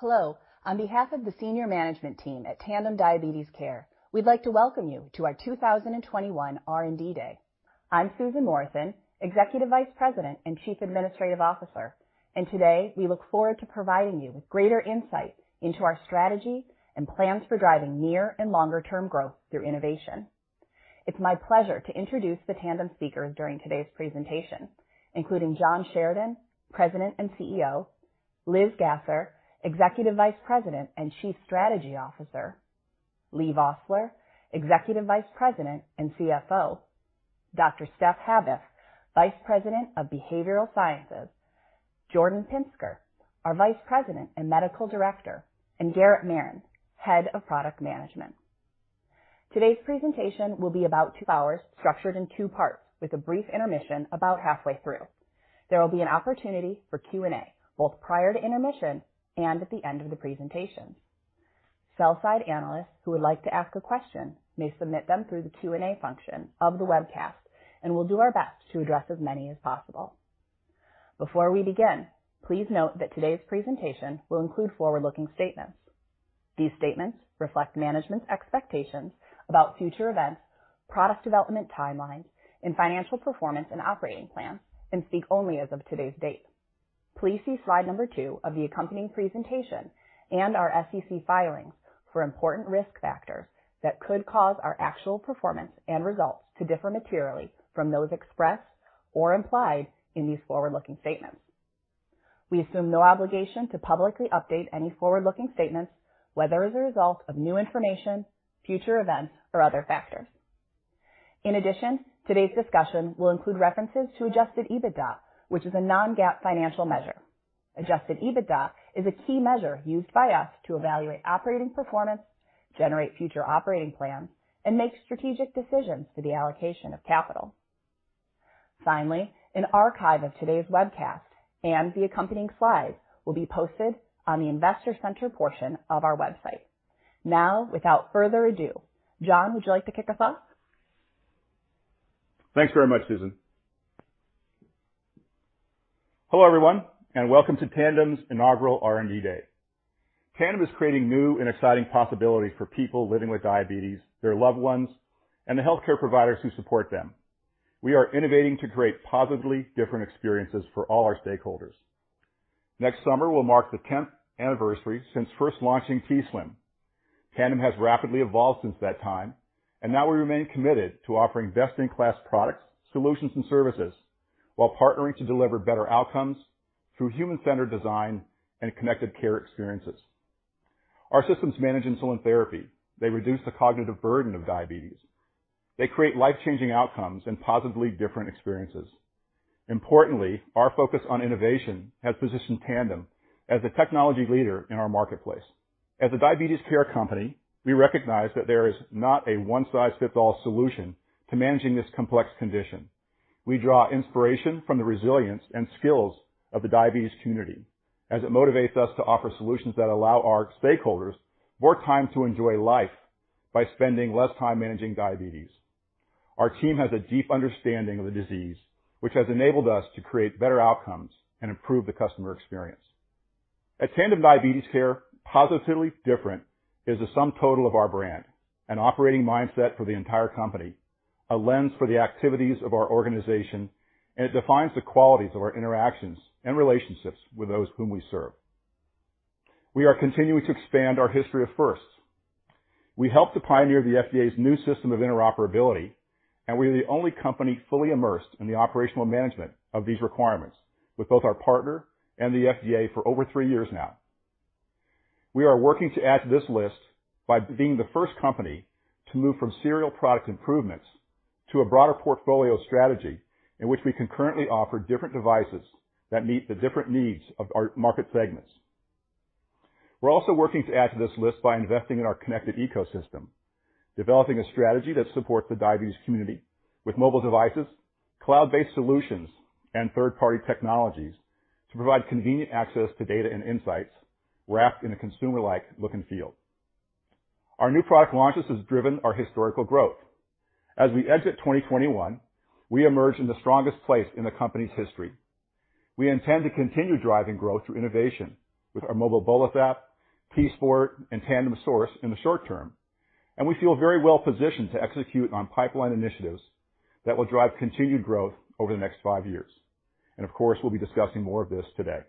Hello. On behalf of the senior management team at Tandem Diabetes Care, we'd like to welcome you to our 2021 R&D Day. I'm Susan Morrison, Executive Vice President and Chief Administrative Officer, and today we look forward to providing you with greater insight into our strategy and plans for driving near and longer-term growth through innovation. It's my pleasure to introduce the Tandem speakers during today's presentation, including John Sheridan, President and CEO, Elizabeth Gasser, Executive Vice President and Chief Strategy Officer, Leigh Vosseller, Executive Vice President and CFO, Dr. Steph Habif, Vice President of Behavioral Sciences, Jordan Pinsker, our Vice President and Medical Director, and Garrett Marin, Head of Product Management. Today's presentation will be about 2 hours, structured in 2 parts with a brief intermission about halfway through. There will be an opportunity for Q&A, both prior to intermission and at the end of the presentation. Sell-side analysts who would like to ask a question may submit them through the Q&A function of the webcast, and we'll do our best to address as many as possible. Before we begin, please note that today's presentation will include forward-looking statements. These statements reflect management's expectations about future events, product development timelines, and financial performance and operating plans, and speak only as of today's date. Please see slide number two of the accompanying presentation and our SEC filings for important risk factors that could cause our actual performance and results to differ materially from those expressed or implied in these forward-looking statements. We assume no obligation to publicly update any forward-looking statements, whether as a result of new information, future events, or other factors. In addition, today's discussion will include references to adjusted EBITDA, which is a non-GAAP financial measure. Adjusted EBITDA is a key measure used by us to evaluate operating performance, generate future operating plans, and make strategic decisions for the allocation of capital. Finally, an archive of today's webcast and the accompanying slides will be posted on the Investor Center portion of our website. Now, without further ado, John, would you like to kick us off? Thanks very much, Susan. Hello, everyone, and welcome to Tandem's inaugural R&D Day. Tandem is creating new and exciting possibilities for people living with diabetes, their loved ones, and the healthcare providers who support them. We are innovating to create positively different experiences for all our stakeholders. Next summer will mark the tenth anniversary since first launching t:slim. Tandem has rapidly evolved since that time, and now we remain committed to offering best-in-class products, solutions, and services while partnering to deliver better outcomes through human-centered design and connected care experiences. Our systems manage insulin therapy. They reduce the cognitive burden of diabetes. They create life-changing outcomes and positively different experiences. Importantly, our focus on innovation has positioned Tandem as the technology leader in our marketplace. As a diabetes care company, we recognize that there is not a one-size-fits-all solution to managing this complex condition. We draw inspiration from the resilience and skills of the diabetes community as it motivates us to offer solutions that allow our stakeholders more time to enjoy life by spending less time managing diabetes. Our team has a deep understanding of the disease, which has enabled us to create better outcomes and improve the customer experience. At Tandem Diabetes Care, positively different is the sum total of our brand and operating mindset for the entire company, a lens for the activities of our organization, and it defines the qualities of our interactions and relationships with those whom we serve. We are continuing to expand our history of firsts. We helped to pioneer the FDA's new system of interoperability, and we are the only company fully immersed in the operational management of these requirements with both our partner and the FDA for over three years now. We are working to add to this list by being the first company to move from serial product improvements to a broader portfolio strategy in which we can currently offer different devices that meet the different needs of our market segments. We're also working to add to this list by investing in our connected ecosystem, developing a strategy that supports the diabetes community with mobile devices, cloud-based solutions, and third-party technologies to provide convenient access to data and insights wrapped in a consumer-like look and feel. Our new product launches has driven our historical growth. As we exit 2021, we emerge in the strongest place in the company's history. We intend to continue driving growth through innovation with our Mobile Bolus App, t:sport, and Tandem Source in the short term. We feel very well positioned to execute on pipeline initiatives that will drive continued growth over the next five years. Of course, we'll be discussing more of this today.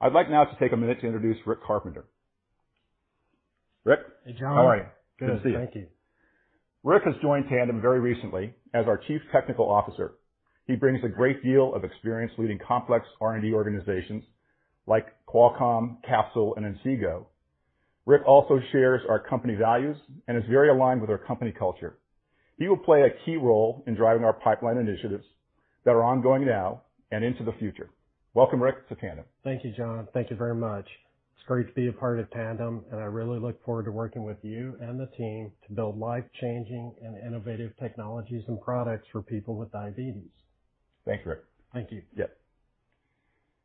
I'd like now to take a minute to introduce Rick Carpenter. Rick. Hey, John. How are you? Good to see you. Thank you. Rick has joined Tandem very recently as our Chief Technical Officer. He brings a great deal of experience leading complex R&D organizations like Qualcomm, Capsule, and Inseego. Rick also shares our company values and is very aligned with our company culture. He will play a key role in driving our pipeline initiatives that are ongoing now and into the future. Welcome, Rick, to Tandem. Thank you, John. Thank you very much. It's great to be a part of Tandem, and I really look forward to working with you and the team to build life-changing and innovative technologies and products for people with diabetes. Thanks, Rick. Thank you. Yeah.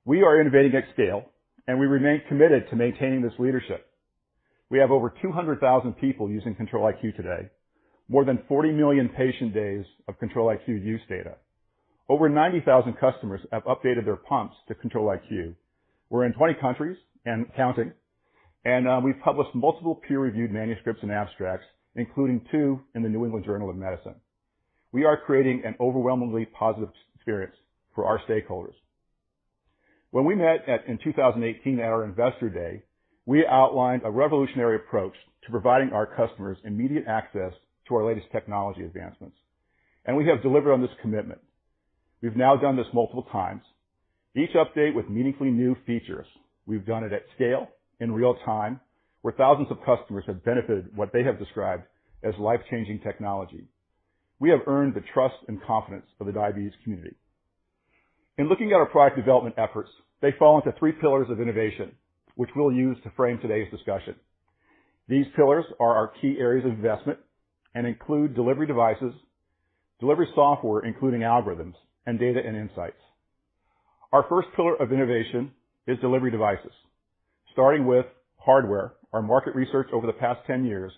We are innovating at scale, and we remain committed to maintaining this leadership. We have over 200,000 people using Control-IQ today. More than 40 million patient days of Control-IQ use data. Over 90,000 customers have updated their pumps to Control-IQ. We're in 20 countries and counting, and we've published multiple peer-reviewed manuscripts and abstracts, including 2 in the New England Journal of Medicine. We are creating an overwhelmingly positive experience for our stakeholders. When we met in 2018 at our Investor Day, we outlined a revolutionary approach to providing our customers immediate access to our latest technology advancements, and we have delivered on this commitment. We've now done this multiple times, each update with meaningfully new features. We've done it at scale in real time, where thousands of customers have benefited what they have described as life-changing technology. We have earned the trust and confidence of the diabetes community. In looking at our product development efforts, they fall into three pillars of innovation, which we'll use to frame today's discussion. These pillars are our key areas of investment and include delivery devices, delivery software, including algorithms, and data and insights. Our first pillar of innovation is delivery devices, starting with hardware. Our market research over the past 10 years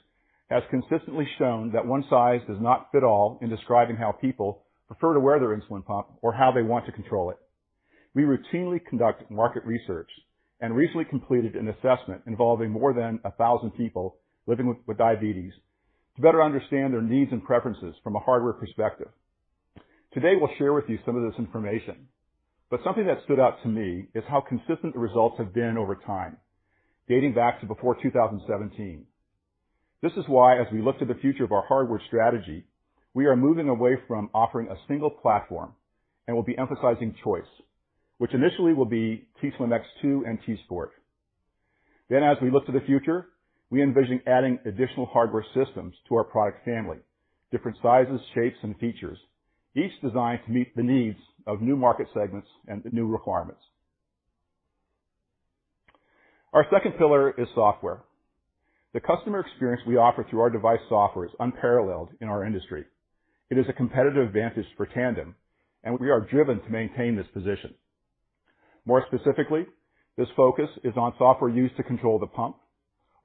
has consistently shown that one size does not fit all in describing how people prefer to wear their insulin pump or how they want to control it. We routinely conduct market research and recently completed an assessment involving more than 1,000 people living with diabetes to better understand their needs and preferences from a hardware perspective. Today, we'll share with you some of this information, but something that stood out to me is how consistent the results have been over time, dating back to before 2017. This is why as we look to the future of our hardware strategy, we are moving away from offering a single platform and will be emphasizing choice, which initially will be t:slim X2 and t:sport. As we look to the future, we envision adding additional hardware systems to our product family, different sizes, shapes, and features, each designed to meet the needs of new market segments and the new requirements. Our second pillar is software. The customer experience we offer through our device software is unparalleled in our industry. It is a competitive advantage for Tandem, and we are driven to maintain this position. More specifically, this focus is on software used to control the pump.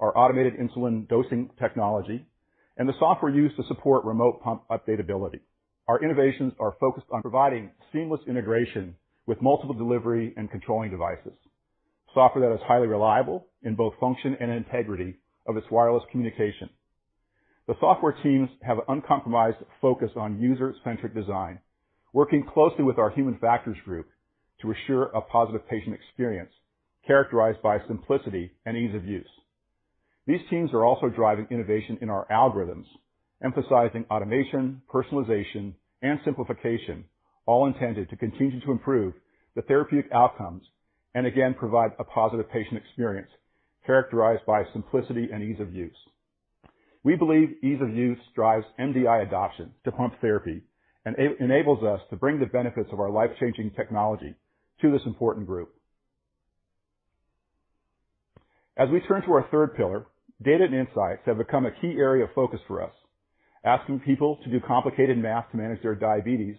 Our automated insulin dosing technology and the software used to support remote pump update ability. Our innovations are focused on providing seamless integration with multiple delivery and controlling devices. Software that is highly reliable in both function and integrity of its wireless communication. The software teams have uncompromised focus on user-centric design, working closely with our human factors group to assure a positive patient experience characterized by simplicity and ease of use. These teams are also driving innovation in our algorithms, emphasizing automation, personalization, and simplification, all intended to continue to improve the therapeutic outcomes and again, provide a positive patient experience characterized by simplicity and ease of use. We believe ease of use drives MDI adoption to pump therapy and enables us to bring the benefits of our life-changing technology to this important group. As we turn to our third pillar, data and insights have become a key area of focus for us. Asking people to do complicated math to manage their diabetes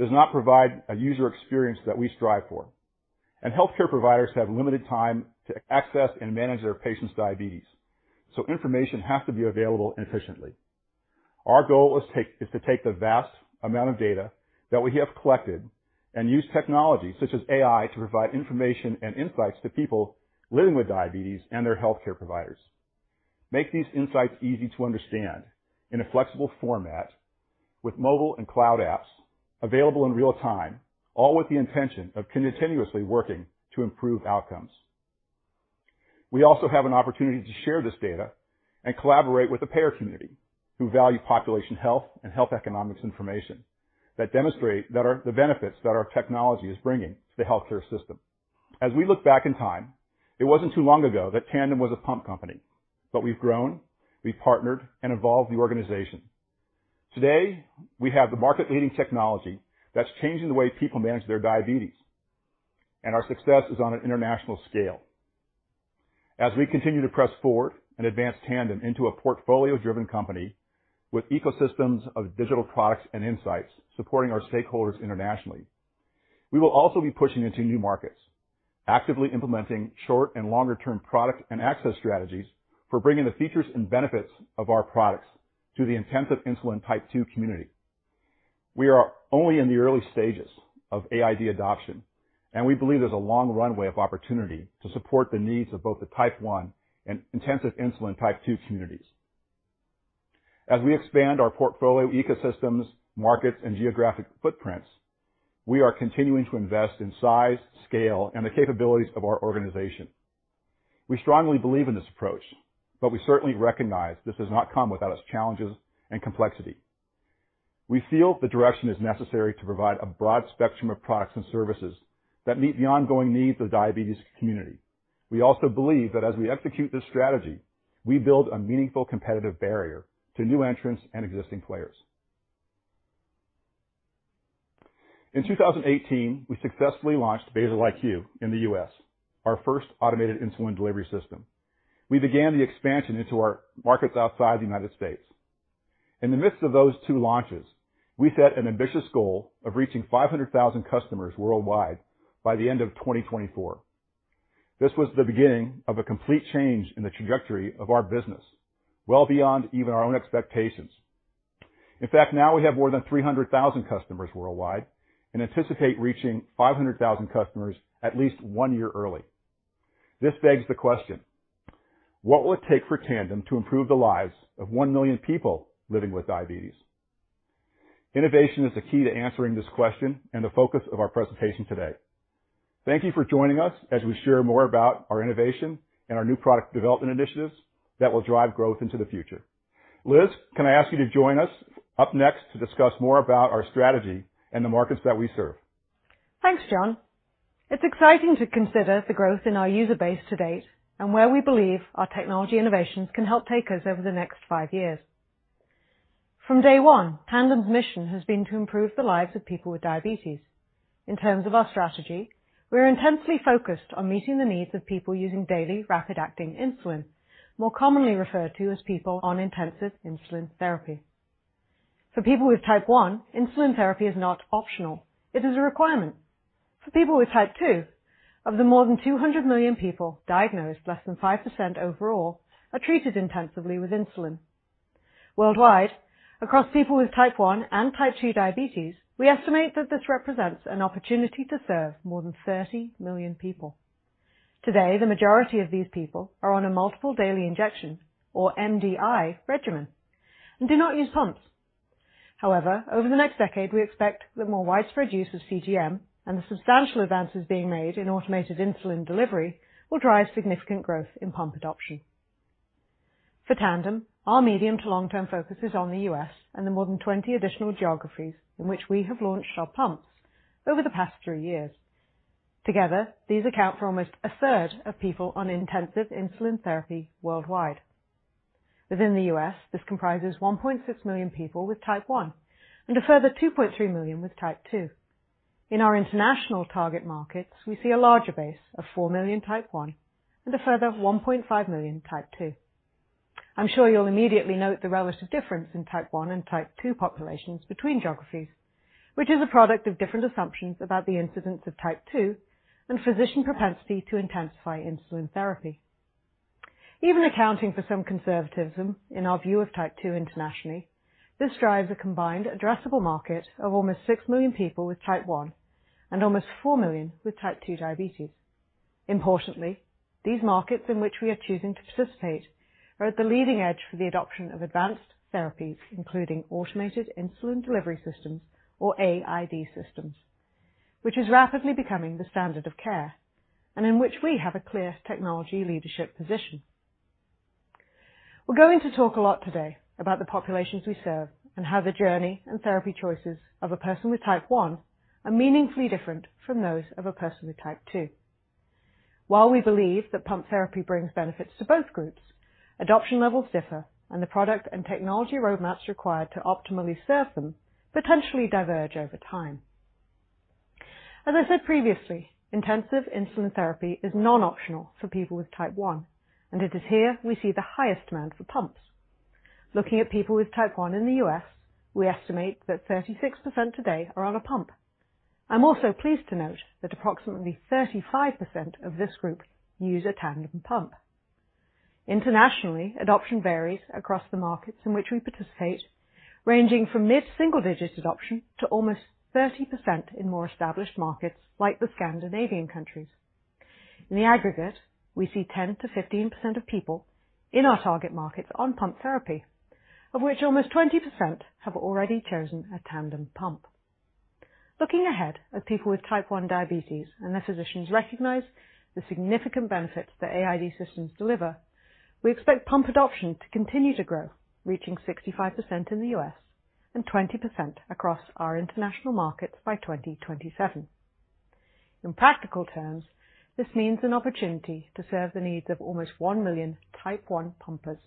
does not provide a user experience that we strive for. Healthcare providers have limited time to access and manage their patients' diabetes, so information has to be available efficiently. Our goal is to take the vast amount of data that we have collected and use technology such as AI to provide information and insights to people living with diabetes and their healthcare providers. Make these insights easy to understand in a flexible format with mobile and cloud apps available in real-time, all with the intention of continuously working to improve outcomes. We also have an opportunity to share this data and collaborate with the payer community who value population health and health economics information that demonstrate the benefits that our technology is bringing to the healthcare system. As we look back in time, it wasn't too long ago that Tandem was a pump company, but we've grown, we've partnered and evolved the organization. Today, we have the market-leading technology that's changing the way people manage their diabetes, and our success is on an international scale. As we continue to press forward and advance Tandem into a portfolio-driven company with ecosystems of digital products and insights supporting our stakeholders internationally, we will also be pushing into new markets, actively implementing short and longer term product and access strategies for bringing the features and benefits of our products to the intensive insulin type two community. We are only in the early stages of AID adoption, and we believe there's a long runway of opportunity to support the needs of both the type 1 and intensive insulin type 2 communities. As we expand our portfolio, ecosystems, markets and geographic footprints, we are continuing to invest in size, scale, and the capabilities of our organization. We strongly believe in this approach, but we certainly recognize this does not come without its challenges and complexity. We feel the direction is necessary to provide a broad spectrum of products and services that meet the ongoing needs of diabetes community. We also believe that as we execute this strategy, we build a meaningful competitive barrier to new entrants and existing players. In 2018, we successfully launched Basal-IQ in the U.S., our first automated insulin delivery system. We began the expansion into our markets outside the United States. In the midst of those two launches, we set an ambitious goal of reaching 500,000 customers worldwide by the end of 2024. This was the beginning of a complete change in the trajectory of our business, well beyond even our own expectations. In fact, now we have more than 300,000 customers worldwide and anticipate reaching 500,000 customers at least one year early. This begs the question: What will it take for Tandem to improve the lives of 1,000,000 people living with diabetes? Innovation is the key to answering this question and the focus of our presentation today. Thank you for joining us as we share more about our innovation and our new product development initiatives that will drive growth into the future. Elizabeth, can I ask you to join us up next to discuss more about our strategy and the markets that we serve? Thanks, John. It's exciting to consider the growth in our user base to date and where we believe our technology innovations can help take us over the next five years. From day one, Tandem's mission has been to improve the lives of people with diabetes. In terms of our strategy, we're intensely focused on meeting the needs of people using daily rapid-acting insulin, more commonly referred to as people on intensive insulin therapy. For people with Type 1, insulin therapy is not optional, it is a requirement. For people with Type 2, of the more than 200 million people diagnosed, less than 5% overall are treated intensively with insulin. Worldwide, across people with Type 1 and Type 2 diabetes, we estimate that this represents an opportunity to serve more than 30 million people. Today, the majority of these people are on a multiple daily injection or MDI regimen and do not use pumps. However, over the next decade, we expect the more widespread use of CGM and the substantial advances being made in automated insulin delivery will drive significant growth in pump adoption. For Tandem, our medium- to long-term focus is on the U.S. and the more than 20 additional geographies in which we have launched our pumps over the past three years. Together, these account for almost a third of people on intensive insulin therapy worldwide. Within the U.S., this comprises 1.6 million people with Type 1 and a further 2.3 million with Type 2. In our international target markets, we see a larger base of 4 million Type 1 and a further 1.5 million Type 2. I'm sure you'll immediately note the relative difference in Type 1 and Type 2 populations between geographies, which is a product of different assumptions about the incidence of Type 2 and physician propensity to intensify insulin therapy. Even accounting for some conservatism in our view of Type 2 internationally, this drives a combined addressable market of almost 6 million people with Type 1 and almost 4 million with Type 2 diabetes. Importantly, these markets in which we are choosing to participate are at the leading edge for the adoption of advanced therapies, including automated insulin delivery systems or AID systems, which is rapidly becoming the standard of care and in which we have a clear technology leadership position. We're going to talk a lot today about the populations we serve and how the journey and therapy choices of a person with Type 1 are meaningfully different from those of a person with Type 2. While we believe that pump therapy brings benefits to both groups, adoption levels differ and the product and technology roadmaps required to optimally serve them potentially diverge over time. As I said previously, intensive insulin therapy is non-optional for people with Type 1, and it is here we see the highest demand for pumps. Looking at people with Type 1 in the U.S., we estimate that 36% today are on a pump. I'm also pleased to note that approximately 35% of this group use a Tandem pump. Internationally, adoption varies across the markets in which we participate, ranging from mid-single-digit adoption to almost 30% in more established markets like the Scandinavian countries. In the aggregate, we see 10%-15% of people in our target markets on pump therapy, of which almost 20% have already chosen a Tandem pump. Looking ahead, people with Type 1 diabetes and their physicians recognize the significant benefits that AID systems deliver. We expect pump adoption to continue to grow, reaching 65% in the U.S. and 20% across our international markets by 2027. In practical terms, this means an opportunity to serve the needs of almost 1 million Type 1 pumpers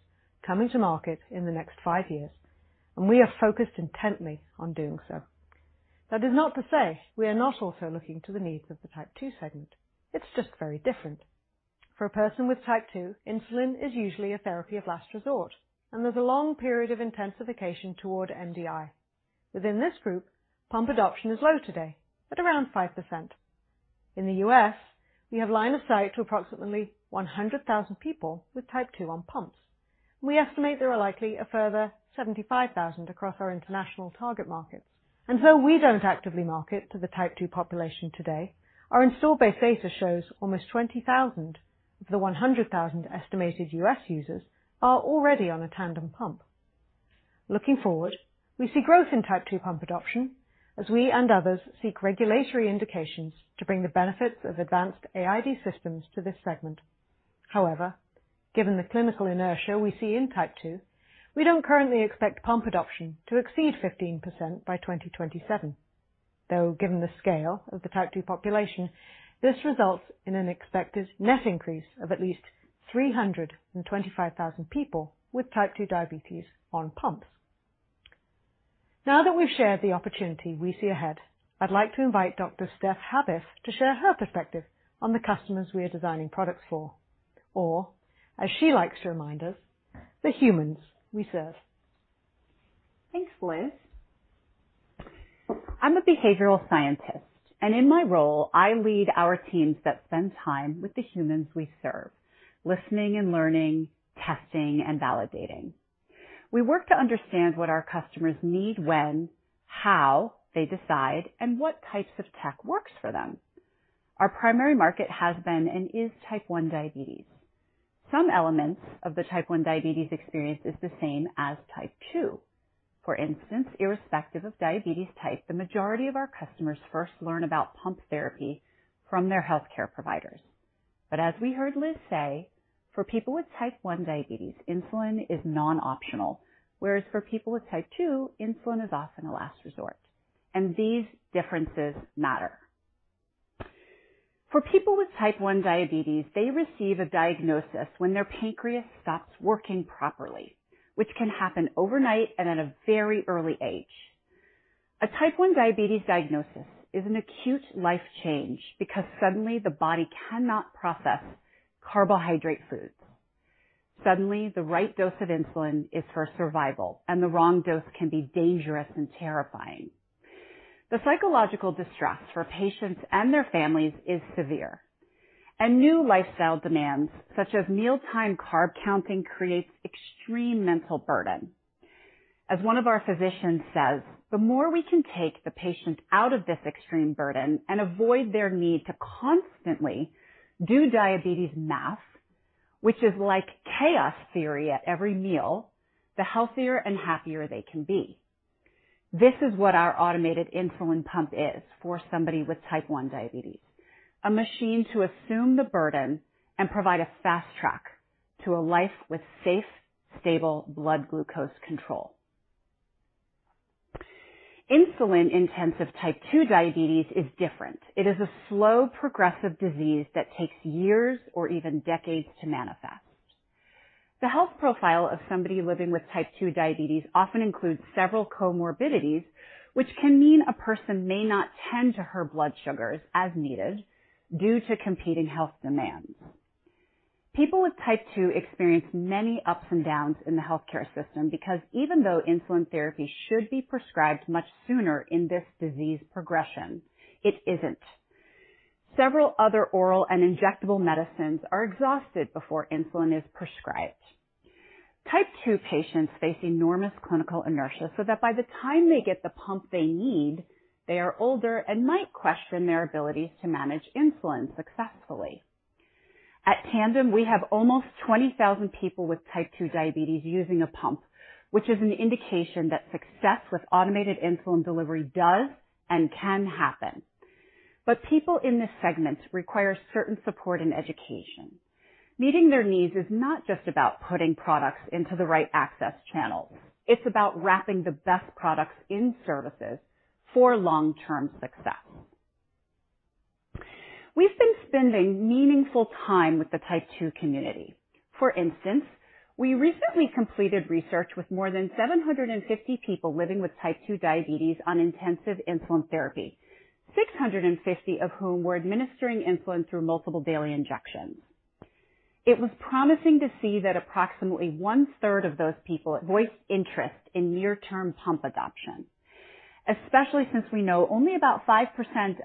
coming to market in the next five years, and we are focused intently on doing so. That is not to say we are not also looking to the needs of the type 2 segment. It's just very different. For a person with type 2, insulin is usually a therapy of last resort, and there's a long period of intensification toward MDI. Within this group, pump adoption is low today at around 5%. In the U.S., we have line of sight to approximately 100,000 people with type 2 on pumps. We estimate there are likely a further 75,000 across our international target markets. Though we don't actively market to the type 2 population today, our installed base data shows almost 20,000 of the 100,000 estimated U.S. users are already on a Tandem pump. Looking forward, we see growth in type 2 pump adoption as we and others seek regulatory indications to bring the benefits of advanced AID systems to this segment. However, given the clinical inertia we see in type 2, we don't currently expect pump adoption to exceed 15% by 2027. Though, given the scale of the type 2 population, this results in an expected net increase of at least 325,000 people with type 2 diabetes on pumps. Now that we've shared the opportunity we see ahead, I'd like to invite Dr. Steph Habif to share her perspective on the customers we are designing products for. Or, as she likes to remind us, the humans we serve. Thanks, Liz. I'm a behavioral scientist, and in my role, I lead our teams that spend time with the humans we serve, listening and learning, testing, and validating. We work to understand what our customers need when, how they decide, and what types of tech works for them. Our primary market has been and is type 1 diabetes. Some elements of the type 1 diabetes experience is the same as type 2. For instance, irrespective of diabetes type, the majority of our customers first learn about pump therapy from their healthcare providers. But as we heard Liz say, for people with type 1 diabetes, insulin is non-optional, whereas for people with type 2, insulin is often a last resort. These differences matter. For people with type 1 diabetes, they receive a diagnosis when their pancreas stops working properly, which can happen overnight and at a very early age. A type one diabetes diagnosis is an acute life change because suddenly the body cannot process carbohydrate foods. Suddenly, the right dose of insulin is for survival, and the wrong dose can be dangerous and terrifying. The psychological distress for patients and their families is severe, and new lifestyle demands, such as mealtime carb counting, creates extreme mental burden. As one of our physicians says, "The more we can take the patient out of this extreme burden and avoid their need to constantly do diabetes math, which is like chaos theory at every meal, the healthier and happier they can be. " This is what our automated insulin pump is for somebody with type one diabetes, a machine to assume the burden and provide a fast track to a life with safe, stable blood glucose control. Insulin-intensive type two diabetes is different. It is a slow, progressive disease that takes years or even decades to manifest. The health profile of somebody living with type two diabetes often includes several comorbidities, which can mean a person may not tend to her blood sugars as needed due to competing health demands. People with type two experience many ups and downs in the healthcare system because even though insulin therapy should be prescribed much sooner in this disease progression, it isn't. Several other oral and injectable medicines are exhausted before insulin is prescribed. Type two patients face enormous clinical inertia so that by the time they get the pump they need, they are older and might question their abilities to manage insulin successfully. At Tandem, we have almost 20,000 people with type two diabetes using a pump, which is an indication that success with automated insulin delivery does and can happen. People in this segment require certain support and education. Meeting their needs is not just about putting products into the right access channels. It's about wrapping the best products in services for long-term success. We've been spending meaningful time with the type two community. For instance, we recently completed research with more than 750 people living with type two diabetes on intensive insulin therapy, 650 of whom were administering insulin through multiple daily injections. It was promising to see that approximately one-third of those people voiced interest in near-term pump adoption, especially since we know only about 5%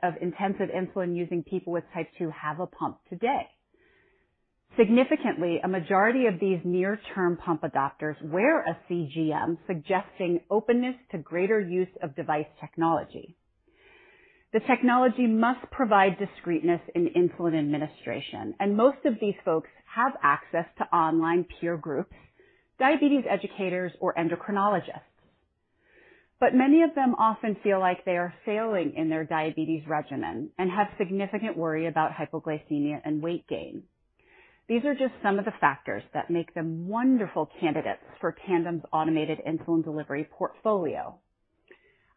of intensive insulin-using people with type two have a pump today. Significantly, a majority of these near-term pump adopters wear a CGM, suggesting openness to greater use of device technology. The technology must provide discreetness in insulin administration, and most of these folks have access to online peer groups, diabetes educators, or endocrinologists. Many of them often feel like they are failing in their diabetes regimen and have significant worry about hypoglycemia and weight gain. These are just some of the factors that make them wonderful candidates for Tandem's automated insulin delivery portfolio.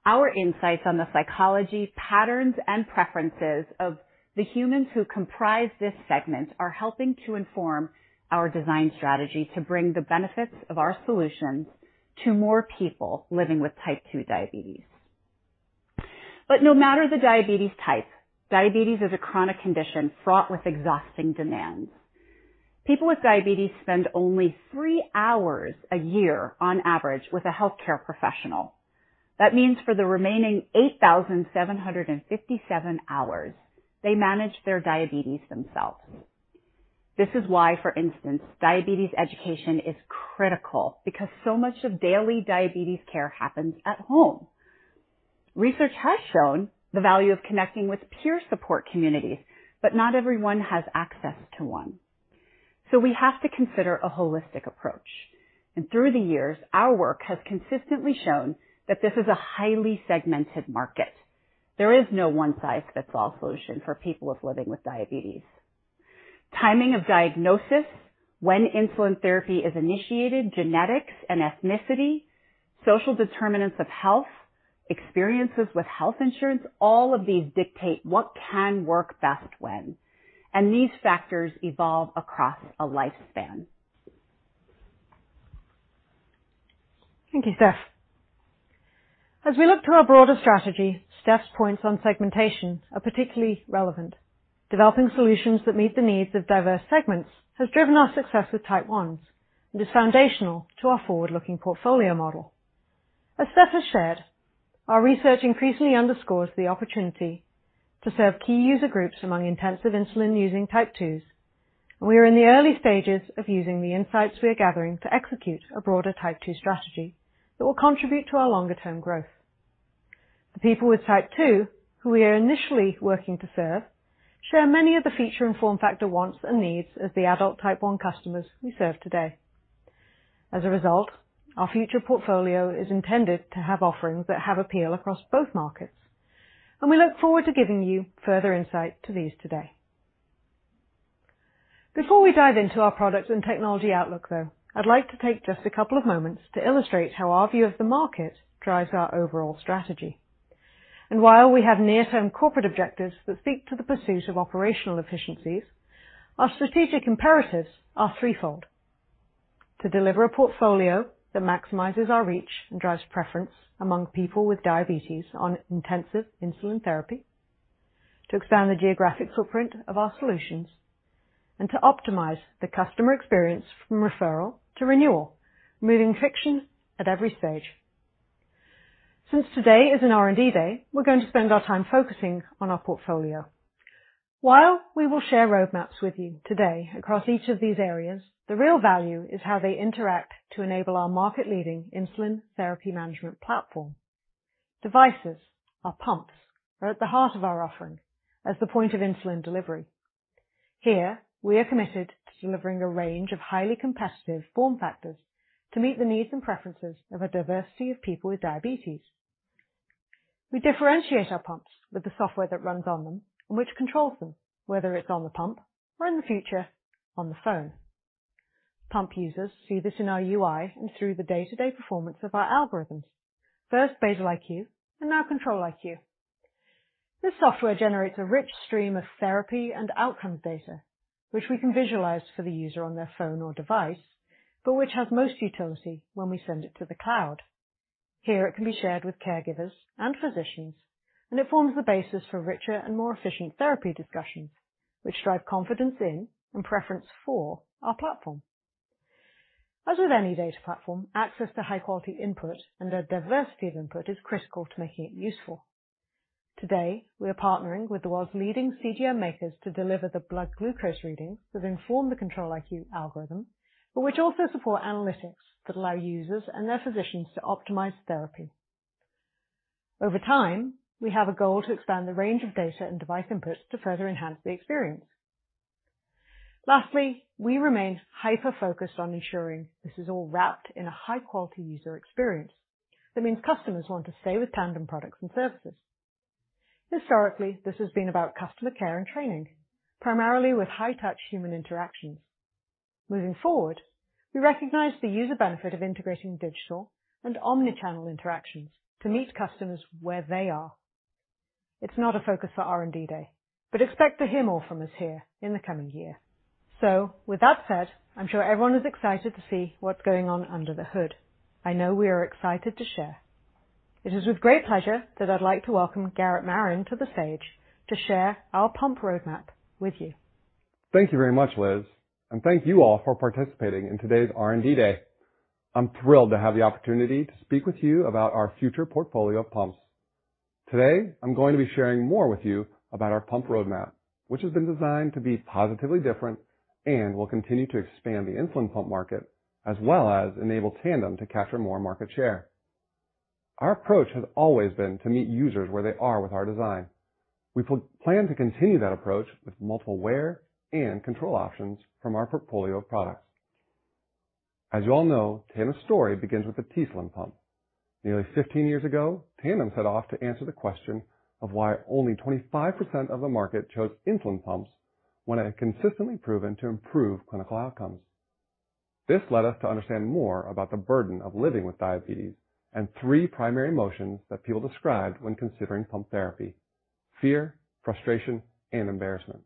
Our insights on the psychology, patterns, and preferences of the humans who comprise this segment are helping to inform our design strategy to bring the benefits of our solutions to more people living with type two diabetes. No matter the diabetes type, diabetes is a chronic condition fraught with exhausting demands. People with diabetes spend only three hours a year on average with a healthcare professional. That means for the remaining 8,757 hours, they manage their diabetes themselves. This is why, for instance, diabetes education is critical because so much of daily diabetes care happens at home. Research has shown the value of connecting with peer support communities, but not everyone has access to one. We have to consider a holistic approach. Through the years, our work has consistently shown that this is a highly segmented market. There is no one-size-fits-all solution for people living with diabetes. Timing of diagnosis, when insulin therapy is initiated, genetics and ethnicity, social determinants of health, experiences with health insurance, all of these dictate what can work best when. These factors evolve across a lifespan. Thank you, Steph. As we look to our broader strategy, Steph's points on segmentation are particularly relevant. Developing solutions that meet the needs of diverse segments has driven our success with type ones and is foundational to our forward-looking portfolio model. As Steph has shared, our research increasingly underscores the opportunity to serve key user groups among intensive insulin using type twos, and we are in the early stages of using the insights we are gathering to execute a broader type two strategy that will contribute to our longer term growth. The people with type two, who we are initially working to serve, share many of the feature and form factor wants and needs of the adult type one customers we serve today. As a result, our future portfolio is intended to have offerings that have appeal across both markets, and we look forward to giving you further insight into these today. Before we dive into our product and technology outlook, though, I'd like to take just a couple of moments to illustrate how our view of the market drives our overall strategy. While we have near-term corporate objectives that speak to the pursuit of operational efficiencies, our strategic imperatives are threefold. To deliver a portfolio that maximizes our reach and drives preference among people with diabetes on intensive insulin therapy. To expand the geographic footprint of our solutions, and to optimize the customer experience from referral to renewal, removing friction at every stage. Since today is an R&D day, we're going to spend our time focusing on our portfolio. While we will share roadmaps with you today across each of these areas, the real value is how they interact to enable our market-leading insulin therapy management platform. Devices or pumps are at the heart of our offering as the point of insulin delivery. Here we are committed to delivering a range of highly competitive form factors to meet the needs and preferences of a diversity of people with diabetes. We differentiate our pumps with the software that runs on them and which controls them, whether it's on the pump or in the future, on the phone. Pump users see this in our UI and through the day-to-day performance of our algorithms. First Basal-IQ and now Control-IQ. This software generates a rich stream of therapy and outcomes data, which we can visualize for the user on their phone or device, but which has most utility when we send it to the cloud. Here it can be shared with caregivers and physicians, and it forms the basis for richer and more efficient therapy discussions, which drive confidence in and preference for our platform. As with any data platform, access to high-quality input and a diversity of input is critical to making it useful. Today, we are partnering with the world's leading CGM makers to deliver the blood glucose readings that inform the Control-IQ algorithm, but which also support analytics that allow users and their physicians to optimize therapy. Over time, we have a goal to expand the range of data and device inputs to further enhance the experience. Lastly, we remain hyper-focused on ensuring this is all wrapped in a high-quality user experience that means customers want to stay with Tandem products and services. Historically, this has been about customer care and training, primarily with high touch human interactions. Moving forward, we recognize the user benefit of integrating digital and omni-channel interactions to meet customers where they are. It's not a focus for R&D Day, but expect to hear more from us here in the coming year. With that said, I'm sure everyone is excited to see what's going on under the hood. I know we are excited to share. It is with great pleasure that I'd like to welcome Garrett Marin to the stage to share our pump roadmap with you. Thank you very much, Liz, and thank you all for participating in today's R&D Day. I'm thrilled to have the opportunity to speak with you about our future portfolio of pumps. Today, I'm going to be sharing more with you about our pump roadmap, which has been designed to be positively different and will continue to expand the insulin pump market as well as enable Tandem to capture more market share. Our approach has always been to meet users where they are with our design. We plan to continue that approach with multiple wear and control options from our portfolio of products. As you all know, Tandem's story begins with the t:slim pump. Nearly 15 years ago, Tandem set off to answer the question of why only 25% of the market chose insulin pumps when it had consistently proven to improve clinical outcomes. This led us to understand more about the burden of living with diabetes and three primary emotions that people described when considering pump therapy. Fear, frustration, and embarrassment.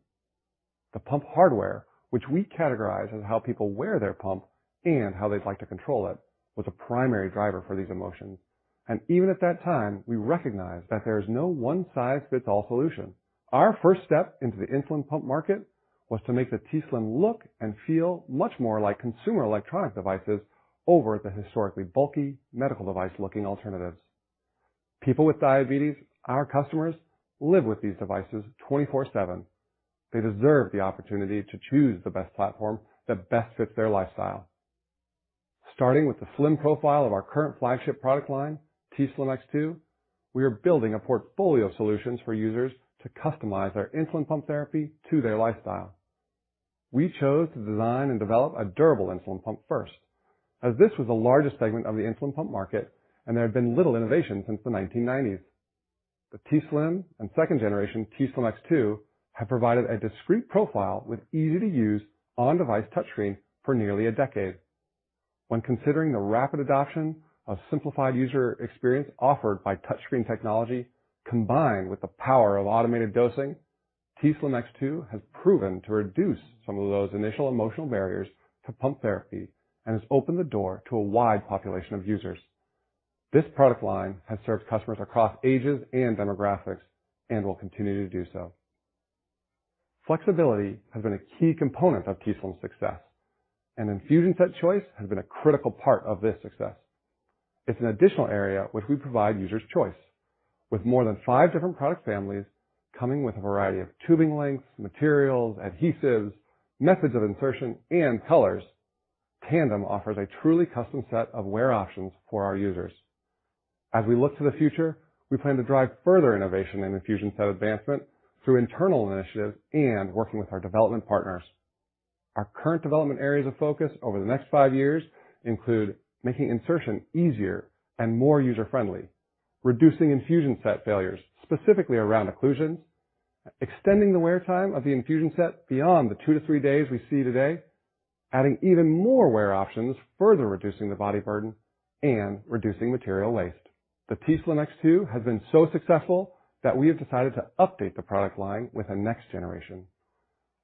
The pump hardware, which we categorize as how people wear their pump and how they'd like to control it, was a primary driver for these emotions. Even at that time, we recognized that there is no one-size-fits-all solution. Our first step into the insulin pump market was to make the t:slim look and feel much more like consumer electronic devices over the historically bulky medical device looking alternatives. People with diabetes, our customers, live with these devices 24/7. They deserve the opportunity to choose the best platform that best fits their lifestyle. Starting with the slim profile of our current flagship product line, t:slim X2, we are building a portfolio of solutions for users to customize their insulin pump therapy to their lifestyle. We chose to design and develop a durable insulin pump first, as this was the largest segment of the insulin pump market and there had been little innovation since the 1990s. The t:slim and second generation t:slim X2 have provided a discreet profile with easy-to-use on-device touch screen for nearly a decade. When considering the rapid adoption of simplified user experience offered by touchscreen technology combined with the power of automated dosing, t:slim X2 has proven to reduce some of those initial emotional barriers to pump therapy and has opened the door to a wide population of users. This product line has served customers across ages and demographics and will continue to do so. Flexibility has been a key component of t:slim's success, and infusion set choice has been a critical part of this success. It's an additional area which we provide users choice. With more than 5 different product families coming with a variety of tubing lengths, materials, adhesives, methods of insertion, and colors, Tandem offers a truly custom set of wear options for our users. As we look to the future, we plan to drive further innovation and infusion set advancement through internal initiatives and working with our development partners. Our current development areas of focus over the next five years include making insertion easier and more user-friendly, reducing infusion set failures, specifically around occlusions, extending the wear time of the infusion set beyond the two-three days we see today, adding even more wear options, further reducing the body burden, and reducing material waste. The t:slim X2 has been so successful that we have decided to update the product line with a next generation.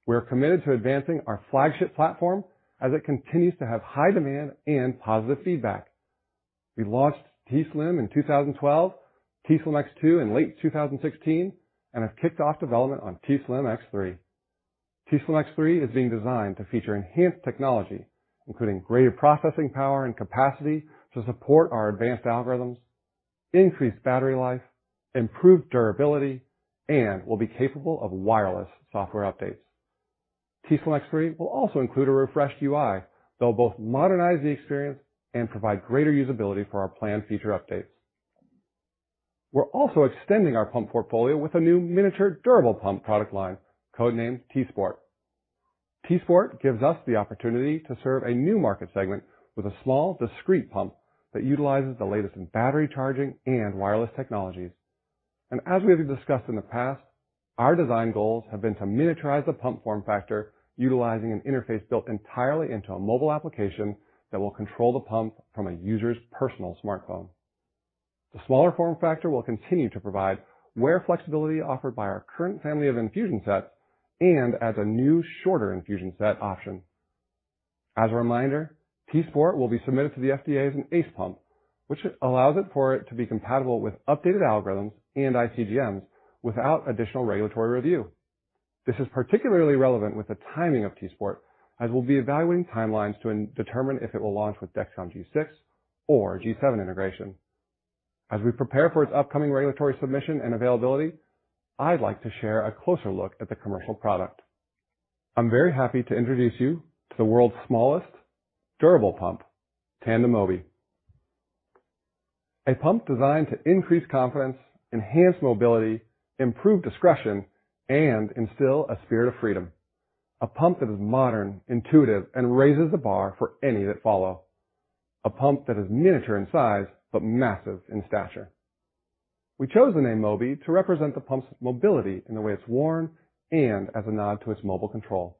We are committed to advancing our flagship platform as it continues to have high demand and positive feedback. We launched t:slim in 2012, t:slim X2 in late 2016, and have kicked off development on t:slim X3. t:slim X3 is being designed to feature enhanced technology, including greater processing power and capacity to support our advanced algorithms, increased battery life, improved durability, and will be capable of wireless software updates. t:slim X3 will also include a refreshed UI that will both modernize the experience and provide greater usability for our planned feature updates. We're also extending our pump portfolio with a new miniature durable pump product line, code-named t:sport. t:sport gives us the opportunity to serve a new market segment with a small, discreet pump that utilizes the latest in battery charging and wireless technologies. As we have discussed in the past, our design goals have been to miniaturize the pump form factor utilizing an interface built entirely into a mobile application that will control the pump from a user's personal smartphone. The smaller form factor will continue to provide wear flexibility offered by our current family of infusion sets and adds a new shorter infusion set option. As a reminder, t:sport will be submitted to the FDA as an ACE pump, which allows for it to be compatible with updated algorithms and iCGMs without additional regulatory review. This is particularly relevant with the timing of t:sport, as we'll be evaluating timelines to determine if it will launch with Dexcom G6 or G7 integration. As we prepare for its upcoming regulatory submission and availability, I'd like to share a closer look at the commercial product. I'm very happy to introduce you to the world's smallest durable pump, Tandem Mobi. A pump designed to increase confidence, enhance mobility, improve discretion, and instill a spirit of freedom. A pump that is modern, intuitive, and raises the bar for any that follow. A pump that is miniature in size but massive in stature. We chose the name Mobi to represent the pump's mobility in the way it's worn and as a nod to its mobile control.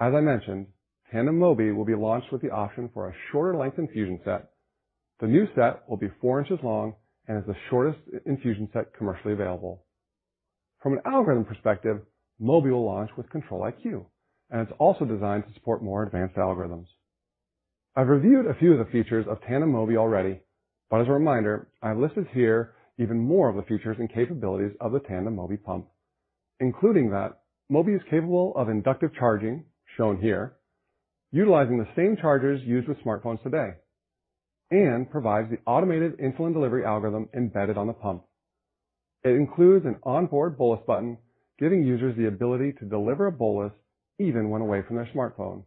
As I mentioned, Tandem Mobi will be launched with the option for a shorter length infusion set. The new set will be four inches long and is the shortest infusion set commercially available. From an algorithm perspective, Mobi will launch with Control-IQ, and it's also designed to support more advanced algorithms. I've reviewed a few of the features of Tandem Mobi already, but as a reminder, I've listed here even more of the features and capabilities of the Tandem Mobi pump, including that Mobi is capable of inductive charging, shown here, utilizing the same chargers used with smartphones today, and provides the automated insulin delivery algorithm embedded on the pump. It includes an onboard bolus button, giving users the ability to deliver a bolus even when away from their smartphone.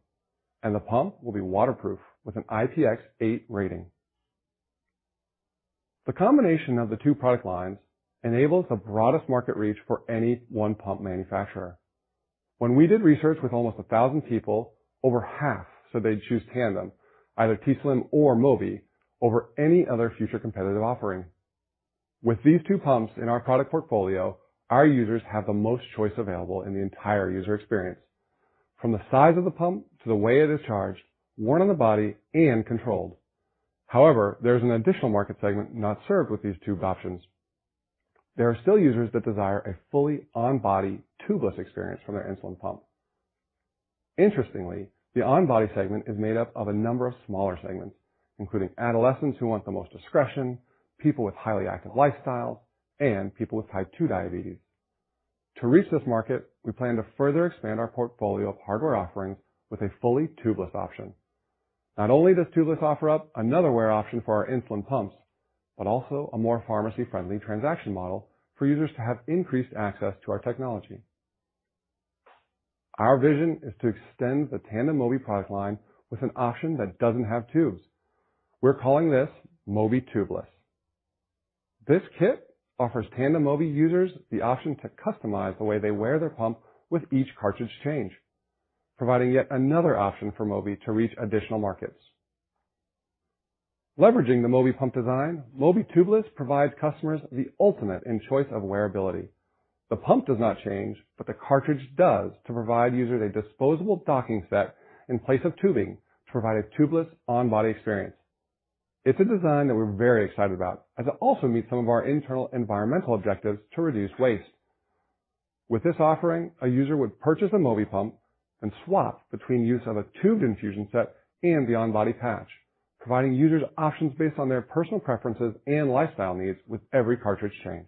The pump will be waterproof with an IPX8 rating. The combination of the two product lines enables the broadest market reach for any one pump manufacturer. When we did research with almost a thousand people, over half said they'd choose Tandem, either t:slim or Mobi, over any other future competitive offering. With these two pumps in our product portfolio, our users have the most choice available in the entire user experience, from the size of the pump to the way it is charged, worn on the body, and controlled. However, there's an additional market segment not served with these two options. There are still users that desire a fully on-body, tubeless experience from their insulin pump. Interestingly, the on-body segment is made up of a number of smaller segments, including adolescents who want the most discretion, people with highly active lifestyles, and people with type 2 diabetes. To reach this market, we plan to further expand our portfolio of hardware offerings with a fully tubeless option. Not only does tubeless offer up another wear option for our insulin pumps, but also a more pharmacy-friendly transaction model for users to have increased access to our technology. Our vision is to extend the Tandem Mobi product line with an option that doesn't have tubes. We're calling this Mobi Tubeless. This kit offers Tandem Mobi users the option to customize the way they wear their pump with each cartridge change, providing yet another option for Mobi to reach additional markets. Leveraging the Mobi pump design, Mobi Tubeless provides customers the ultimate in choice of wearability. The pump does not change, but the cartridge does to provide users a disposable docking set in place of tubing to provide a tubeless on-body experience. It's a design that we're very excited about, as it also meets some of our internal environmental objectives to reduce waste. With this offering, a user would purchase a Mobi pump and swap between use of a tubed infusion set and the on-body patch, providing users options based on their personal preferences and lifestyle needs with every cartridge change.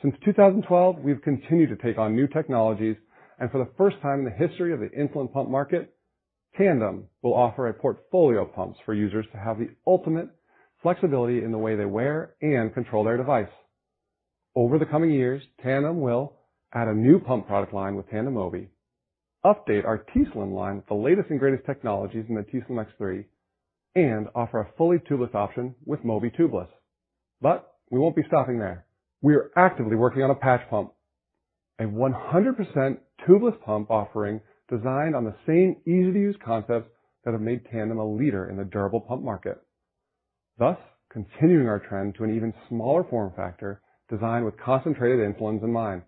Since 2012, we've continued to take on new technologies, and for the first time in the history of the insulin pump market, Tandem will offer a portfolio of pumps for users to have the ultimate flexibility in the way they wear and control their device. Over the coming years, Tandem will add a new pump product line with Tandem Mobi, update our t:slim line with the latest and greatest technologies in the t:slim X3, and offer a fully tubeless option with Mobi Tubeless. We won't be stopping there. We are actively working on a patch pump, a 100% tubeless pump offering designed on the same easy-to-use concepts that have made Tandem a leader in the durable pump market, thus continuing our trend to an even smaller form factor designed with concentrated insulins in mind.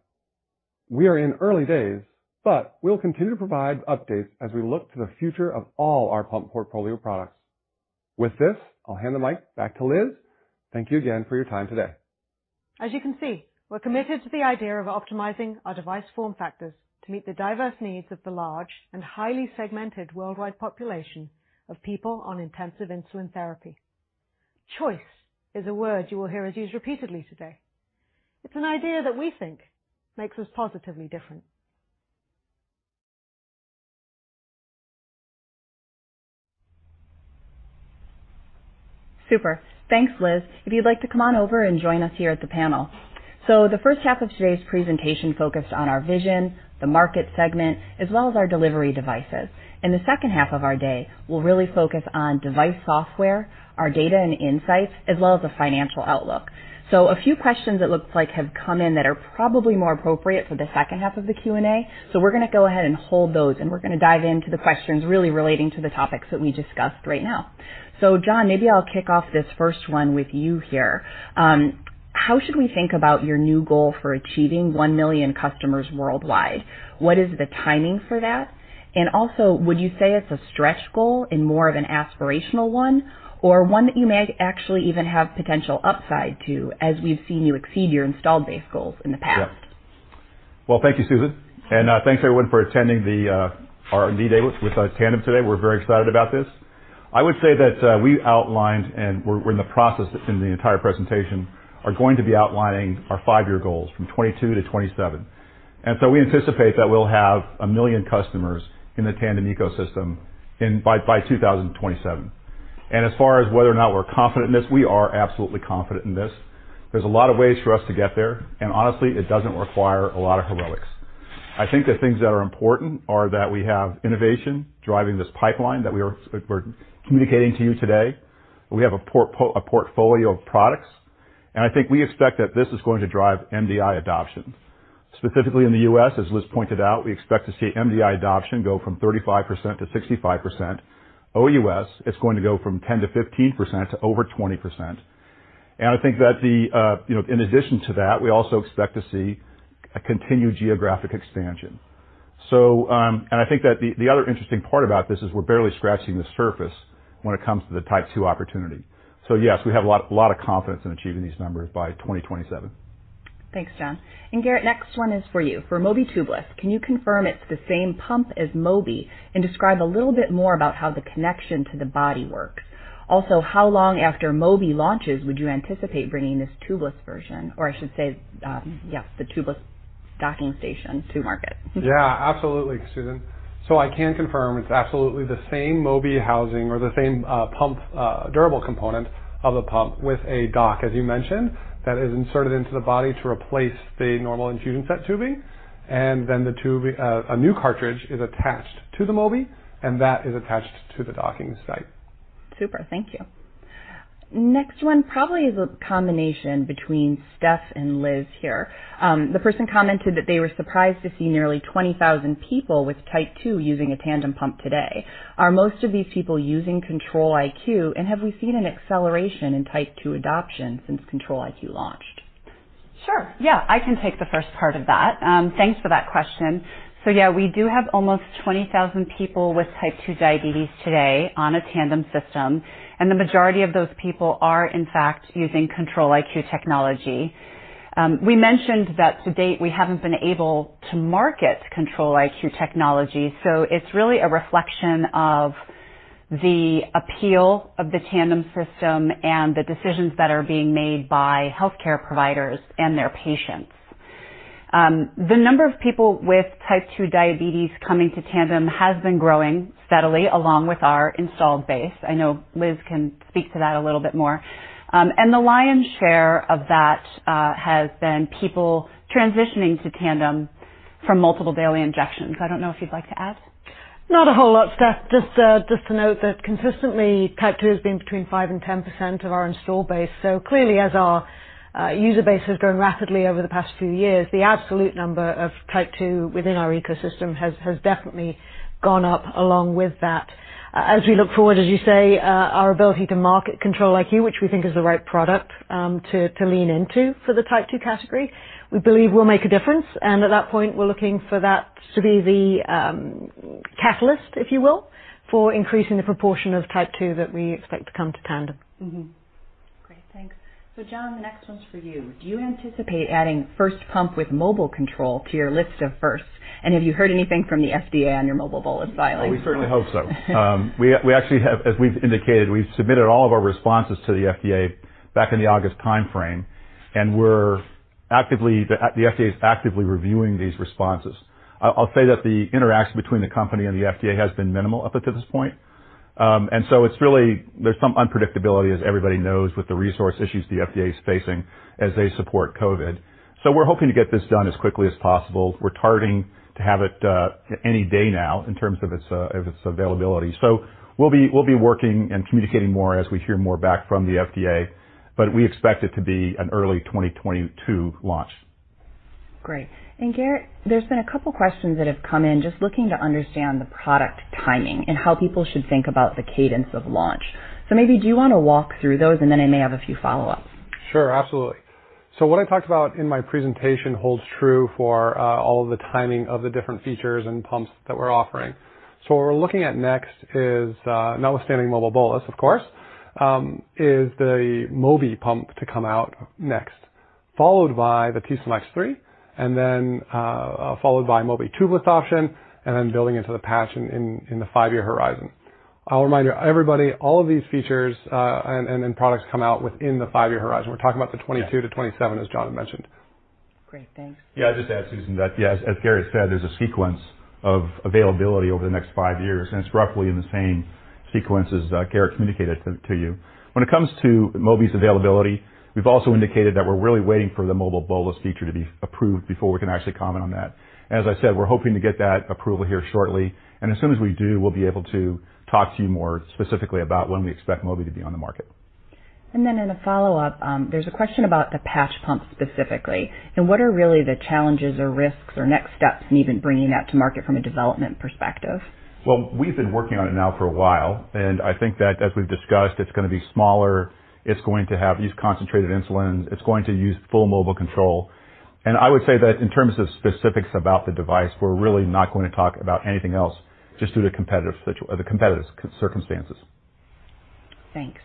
We are in early days, but we'll continue to provide updates as we look to the future of all our pump portfolio products. With this, I'll hand the mic back to Liz. Thank you again for your time today. As you can see, we're committed to the idea of optimizing our device form factors to meet the diverse needs of the large and highly segmented worldwide population of people on intensive insulin therapy. Choice is a word you will hear us use repeatedly today. It's an idea that we think makes us positively different. Super. Thanks, Liz. If you'd like to come on over and join us here at the panel. The H1 of today's presentation focused on our vision, the market segment, as well as our delivery devices. In the H2 of our day, we'll really focus on device software, our data and insights, as well as the financial outlook. A few questions it looks like have come in that are probably more appropriate for the H2 of the Q&A. We're gonna go ahead and hold those, and we're gonna dive into the questions really relating to the topics that we discussed right now. John, maybe I'll kick off this first one with you here. How should we think about your new goal for achieving 1 million customers worldwide? What is the timing for that? Also, would you say it's a stretch goal and more of an aspirational one or one that you may actually even have potential upside to, as we've seen you exceed your installed base goals in the past? Yeah. Well, thank you, Susan, and thanks everyone for attending our R&D Day with Tandem today. We're very excited about this. I would say that we're in the process, in the entire presentation, we're going to be outlining our five-year goals from 2022 to 2027. We anticipate that we'll have 1 million customers in the Tandem ecosystem by 2027. As far as whether or not we're confident in this, we are absolutely confident in this. There's a lot of ways for us to get there, and honestly, it doesn't require a lot of heroics. I think the things that are important are that we have innovation driving this pipeline that we're communicating to you today. We have a portfolio of products, and I think we expect that this is going to drive MDI adoption. Specifically in the U.S., as Liz pointed out, we expect to see MDI adoption go from 35% to 65%. OUS, it's going to go from 10%-15% to over 20%. I think that the in addition to that, we also expect to see a continued geographic expansion. I think that the other interesting part about this is we're barely scratching the surface when it comes to the Type Two opportunity. Yes, we have a lot of confidence in achieving these numbers by 2027. Thanks, John. Garrett, next one is for you. For Mobi Tubeless, can you confirm it's the same pump as Mobi and describe a little bit more about how the connection to the body works? Also, how long after Mobi launches would you anticipate bringing this tubeless version? Or I should say, yes, the tubeless docking station to market. Yeah, absolutely, Susan. I can confirm it's absolutely the same Mobi housing or the same pump durable component of the pump with a dock, as you mentioned, that is inserted into the body to replace the normal infusion set tubing. A new cartridge is attached to the Mobi, and that is attached to the docking site. Super. Thank you. Next one probably is a combination between Steph and Liz here. The person commented that they were surprised to see nearly 20,000 people with type 2 using a Tandem pump today. Are most of these people using Control-IQ? Have we seen an acceleration in type 2 adoption since Control-IQ launched? Sure. Yeah, I can take the first part of that. Thanks for that question. So yeah, we do have almost 20,000 people with Type 2 diabetes today on a Tandem system, and the majority of those people are, in fact, using Control-IQ technology. We mentioned that to date, we haven't been able to market Control-IQ technology, so it's really a reflection of the appeal of the Tandem system and the decisions that are being made by healthcare providers and their patients. The number of people with Type 2 diabetes coming to Tandem has been growing steadily along with our installed base. I know Liz can speak to that a little bit more. The lion's share of that has been people transitioning to Tandem from multiple daily injections. I don't know if you'd like to add. Not a whole lot, Steph. Just to note that consistently, Type Two has been between 5%-10% of our install base. Clearly, as our user base has grown rapidly over the past few years, the absolute number of Type Two within our ecosystem has definitely gone up along with that. As we look forward, as you say, our ability to market Control-IQ, which we think is the right product, to lean into for the type two category, we believe will make a difference. At that point, we're looking for that to be the catalyst, if you will, for increasing the proportion of type two that we expect to come to Tandem. Great. Thanks. John, the next one's for you. Do you anticipate adding first pump with mobile control to your list of firsts? And have you heard anything from the FDA on your mobile bolus filing? We certainly hope so. As we've indicated, we've submitted all of our responses to the FDA back in the August timeframe, and the FDA is actively reviewing these responses. I'll say that the interaction between the company and the FDA has been minimal up until this point. It's really there's some unpredictability, as everybody knows, with the resource issues the FDA is facing as they support COVID. We're hoping to get this done as quickly as possible. We're targeting to have it any day now in terms of its availability. We'll be working and communicating more as we hear more back from the FDA, but we expect it to be an early 2022 launch. Great. Garrett, there's been a couple questions that have come in just looking to understand the product timing and how people should think about the cadence of launch. Maybe do you wanna walk through those, and then I may have a few follow-ups. Sure. Absolutely. What I talked about in my presentation holds true for all of the timing of the different features and pumps that we're offering. What we're looking at next is, notwithstanding Mobile Bolus, of course, the Mobi pump to come out next, followed by the t:slim X3 and then followed by Mobi Tubeless option and then building into the patch in the five-year horizon. I'll remind everybody, all of these features and products come out within the five-year horizon. We're talking about the 2022-2027, as John had mentioned. Great. Thanks. Yeah. I'd just add, Susan, that, yes, as Garrett said, there's a sequence of availability over the next five years, and it's roughly in the same sequence as Garrett communicated to you. When it comes to Mobi's availability, we've also indicated that we're really waiting for the Mobile Bolus feature to be approved before we can actually comment on that. As I said, we're hoping to get that approval here shortly, and as soon as we do, we'll be able to talk to you more specifically about when we expect Mobi to be on the market. In a follow-up, there's a question about the patch pump specifically and what are really the challenges or risks or next steps in even bringing that to market from a development perspective. Well, we've been working on it now for a while, and I think that as we've discussed, it's gonna be smaller. It's going to have these concentrated insulin. It's going to use full mobile control. I would say that in terms of specifics about the device, we're really not going to talk about anything else just due to competitive or the competitive circumstances. Thanks.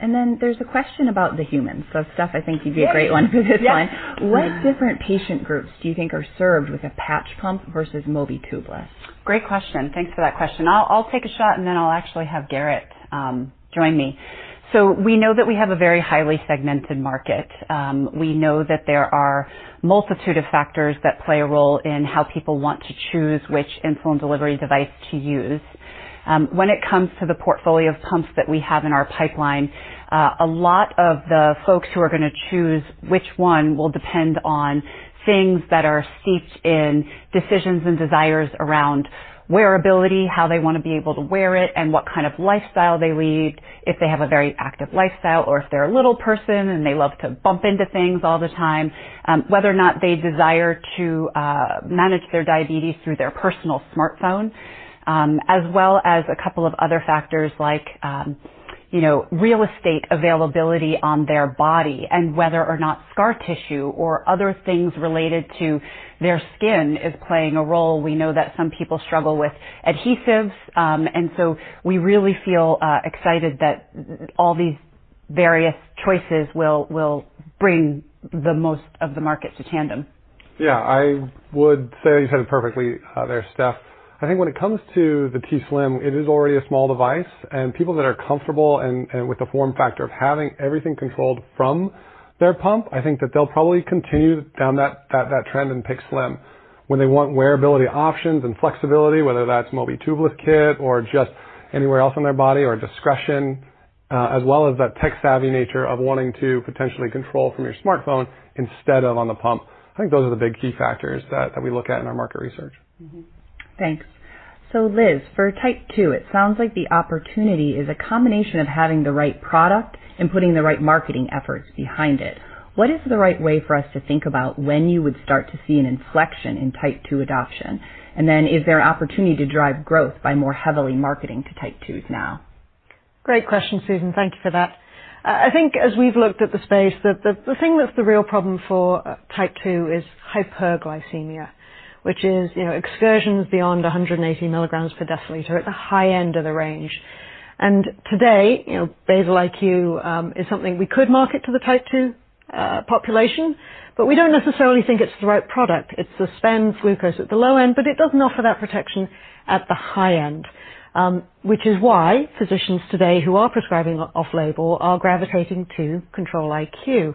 Then there's a question about the human. Steph, I think you'd be a great one for this one. Yes. What different patient groups do you think are served with a patch pump versus Mobi Tubeless? Great question. Thanks for that question. I'll take a shot, and then I'll actually have Garrett join me. We know that we have a very highly segmented market. We know that there are a multitude of factors that play a role in how people want to choose which insulin delivery device to use. When it comes to the portfolio of pumps that we have in our pipeline, a lot of the folks who are gonna choose which one will depend on things that are steeped in decisions and desires around wearability, how they wanna be able to wear it, and what kind of lifestyle they lead, if they have a very active lifestyle or if they're a little person and they love to bump into things all the time, whether or not they desire to manage their diabetes through their personal smartphone, as well as a couple of other factors like real estate availability on their body and whether or not scar tissue or other things related to their skin is playing a role. We know that some people struggle with adhesives, and so we really feel excited that all these various choices will bring the most of the market to Tandem. Yeah. I would say you said it perfectly, there, Steph. I think when it comes to the t:slim, it is already a small device, and people that are comfortable and with the form factor of having everything controlled from their pump, I think that they'll probably continue down that trend and pick t:slim. When they want wearability options and flexibility, whether that's Mobi tubeless or just anywhere else on their body or discretion, as well as that tech-savvy nature of wanting to potentially control from your smartphone instead of on the pump. I think those are the big key factors that we look at in our market research. Thanks. Liz, for type two, it sounds like the opportunity is a combination of having the right product and putting the right marketing efforts behind it. What is the right way for us to think about when you would start to see an inflection in type two adoption? And then is there opportunity to drive growth by more heavily marketing to type twos now? Great question, Susan. Thank you for that. I think as we've looked at the space, the thing that's the real problem for type 2 is hyperglycemia, which is excursions beyond 180 milligrams per deciliter at the high end of the range. today Basal-IQ is something we could market to the type 2 population, but we don't necessarily think it's the right product. It suspends glucose at the low end, but it doesn't offer that protection at the high end, which is why physicians today who are prescribing off-label are gravitating to Control-IQ.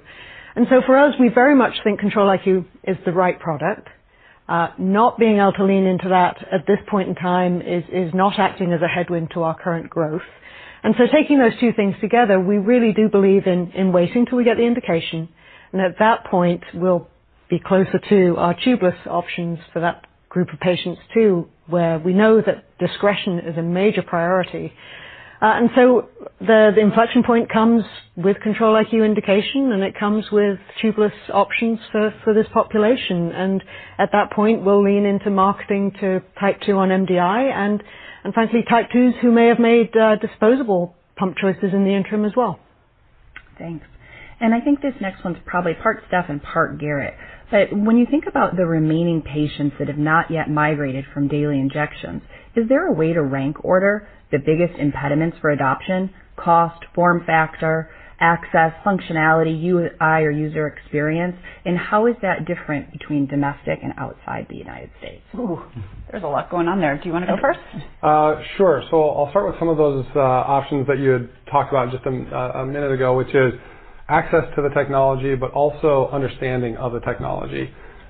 For us, we very much think Control-IQ is the right product. Not being able to lean into that at this point in time is not acting as a headwind to our current growth. taking those two things together, we really do believe in waiting till we get the indication. At that point, we'll be closer to our tubeless options for that group of patients too, where we know that discretion is a major priority. The inflection point comes with Control-IQ indication, and it comes with tubeless options for this population. At that point, we'll lean into marketing to type 2 on MDI and frankly, type 2s who may have made disposable pump choices in the interim as well. Thanks. I think this next one's probably part Steph and part Garrett. When you think about the remaining patients that have not yet migrated from daily injections, is there a way to rank order the biggest impediments for adoption, cost, form factor, access, functionality, UI, or user experience? How is that different between domestic and outside the United States? Ooh. There's a lot going on there. Do you wanna go first? Sure. I'll start with some of those options that you had talked about just a minute ago, which is access to the technology, but also understanding of the technology.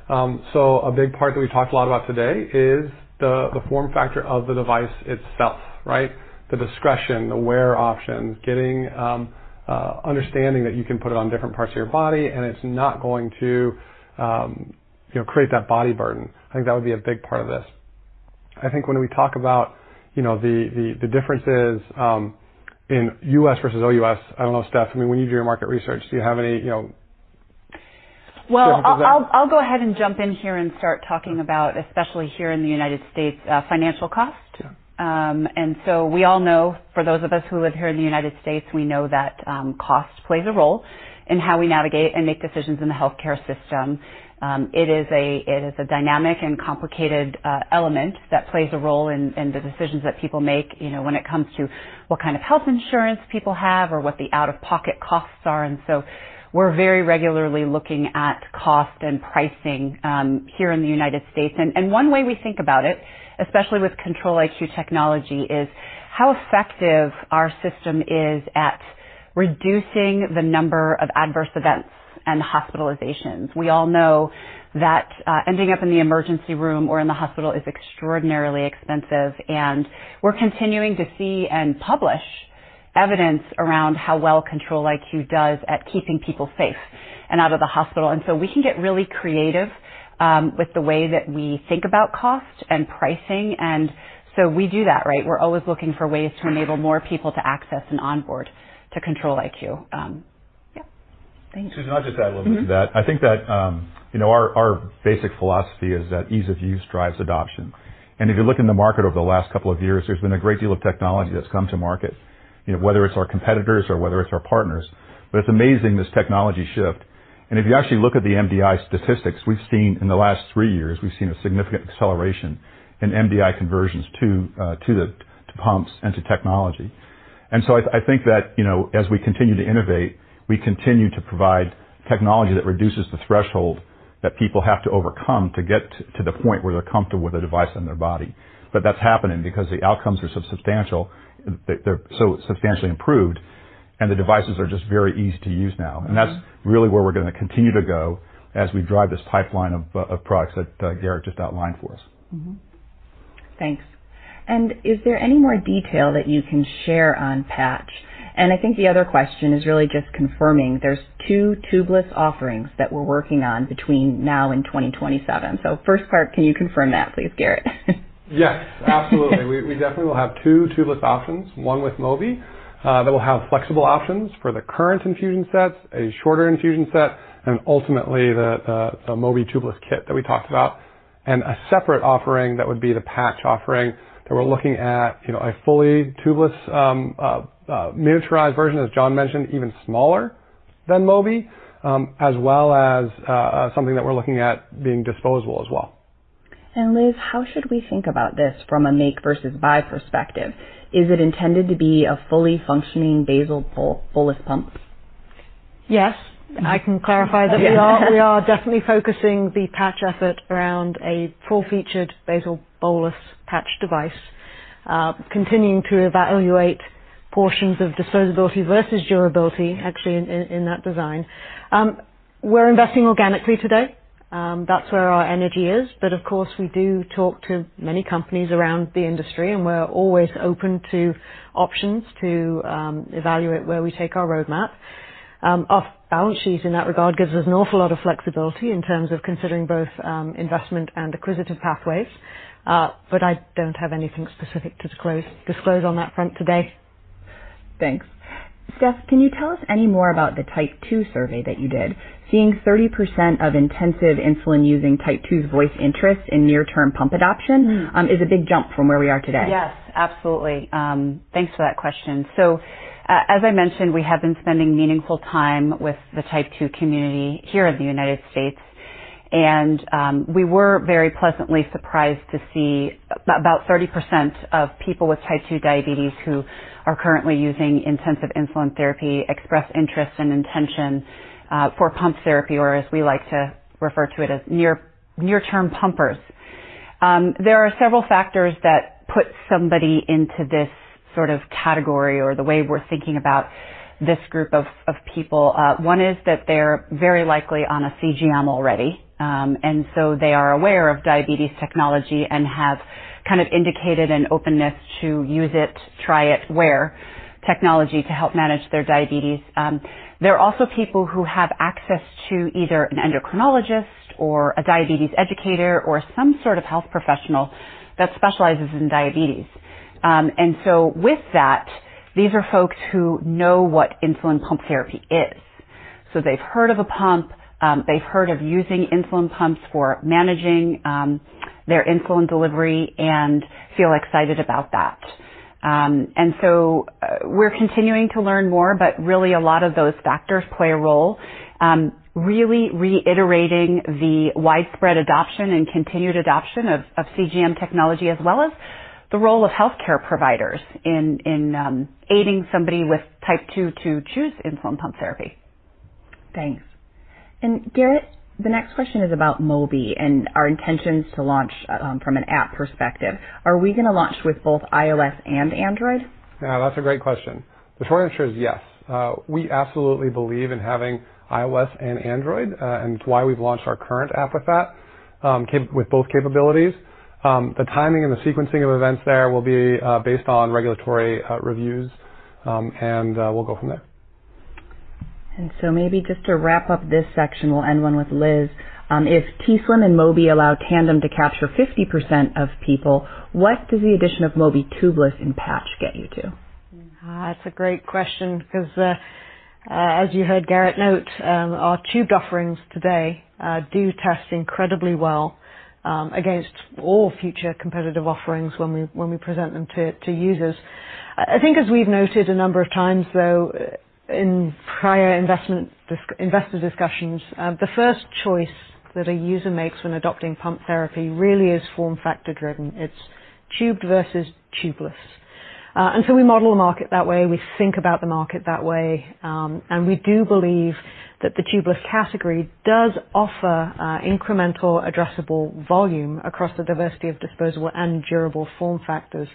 A big part that we talked a lot about today is the form factor of the device itself, right? The discretion, the wear options, getting understanding that you can put it on different parts of your body, and it's not going to you know create that body burden. I think that would be a big part of this. I think when we talk about you know the differences in U.S. Versus OUS, I don't know, Steph, I mean, when you do your market research, do you have any you know differences there? Well, I'll go ahead and jump in here and start talking about, especially here in the United States, financial cost. Yeah. We all know for those of us who live here in the United States, we know that cost plays a role in how we navigate and make decisions in the healthcare system. It is a dynamic and complicated element that plays a role in the decisions that people make when it comes to what kind of health insurance people have or what the out-of-pocket costs are. We're very regularly looking at cost and pricing here in the United States. One way we think about it, especially with Control-IQ technology, is how effective our system is at reducing the number of adverse events and hospitalizations. We all know that ending up in the emergency room or in the hospital is extraordinarily expensive, and we're continuing to see and publish evidence around how well Control-IQ does at keeping people safe and out of the hospital. We can get really creative with the way that we think about cost and pricing, and so we do that, right? We're always looking for ways to enable more people to access and onboard to Control-IQ. Yeah. Thanks. Susan, I'll just add a little bit to that. Mm-hmm. I think that our basic philosophy is that ease of use drives adoption. If you look in the market over the last couple of years, there's been a great deal of technology that's come to market whether it's our competitors or whether it's our partners. It's amazing this technology shift. If you actually look at the MDI statistics, we've seen in the last three years a significant acceleration in MDI conversions to the pumps and to technology. I think that as we continue to innovate, we continue to provide technology that reduces the threshold that people have to overcome to get to the point where they're comfortable with the device on their body. That's happening because the outcomes are so substantial, they're so substantially improved, and the devices are just very easy to use now. Mm-hmm. That's really where we're gonna continue to go as we drive this pipeline of products that Garrett just outlined for us. Thanks. Is there any more detail that you can share on patch? I think the other question is really just confirming there's 2 tubeless offerings that we're working on between now and 2027. First part, can you confirm that please, Garrett? Yes, absolutely. We definitely will have two tubeless options, one with Mobi that will have flexible options for the current infusion sets, a shorter infusion set, and ultimately the Mobi tubeless kit that we talked about. A separate offering that would be the patch offering that we're looking at a fully tubeless miniaturized version, as John mentioned, even smaller than Mobi, as well as something that we're looking at being disposable as well. Liz, how should we think about this from a make versus buy perspective? Is it intended to be a fully functioning basal bolus pump? Yes. I can clarify that we are. Yes. We are definitely focusing the patch effort around a full-featured basal bolus patch device, continuing to evaluate portions of disposability versus durability actually in that design. We're investing organically today. That's where our energy is. Of course, we do talk to many companies around the industry, and we're always open to options to evaluate where we take our roadmap. Our balance sheet in that regard gives us an awful lot of flexibility in terms of considering both investment and acquisitive pathways. I don't have anything specific to disclose on that front today. Thanks. Steph, can you tell us any more about the type 2 survey that you did? Seeing 30% of intensive insulin-using type 2s voice interest in near-term pump adoption is a big jump from where we are today. Yes, absolutely. Thanks for that question. As I mentioned, we have been spending meaningful time with the type 2 community here in the United States. We were very pleasantly surprised to see about 30% of people with type 2 diabetes who are currently using intensive insulin therapy express interest and intention for pump therapy or as we like to refer to it as near-term pumpers. There are several factors that put somebody into this sort of category or the way we're thinking about this group of people. One is that they're very likely on a CGM already. They are aware of diabetes technology and have kind of indicated an openness to use it, try it, wear. Technology to help manage their diabetes. They're also people who have access to either an endocrinologist or a diabetes educator or some sort of health professional that specializes in diabetes. With that, these are folks who know what insulin pump therapy is. They've heard of a pump. They've heard of using insulin pumps for managing their insulin delivery and feel excited about that. We're continuing to learn more, but really a lot of those factors play a role, really reiterating the widespread adoption and continued adoption of CGM technology as well as the role of healthcare providers in aiding somebody with Type 2 to choose insulin pump therapy. Thanks. Garrett, the next question is about Mobi and our intentions to launch from an app perspective. Are we gonna launch with both iOS and Android? Yeah, that's a great question. The short answer is yes. We absolutely believe in having iOS and Android, and it's why we've launched our current app with that, with both capabilities. The timing and the sequencing of events there will be based on regulatory reviews, and we'll go from there. Maybe just to wrap up this section, we'll end one with Liz. If t:slim and Mobi allow Tandem to capture 50% of people, what does the addition of Mobi tubeless and patch get you to? That's a great question because as you heard Garrett note, our tubed offerings today do test incredibly well against all future competitive offerings when we present them to users. I think as we've noted a number of times, though, in prior investor discussions, the first choice that a user makes when adopting pump therapy really is form factor driven. It's tubed versus tubeless. We model the market that way, we think about the market that way, and we do believe that the tubeless category does offer incremental addressable volume across the diversity of disposable and durable form factors.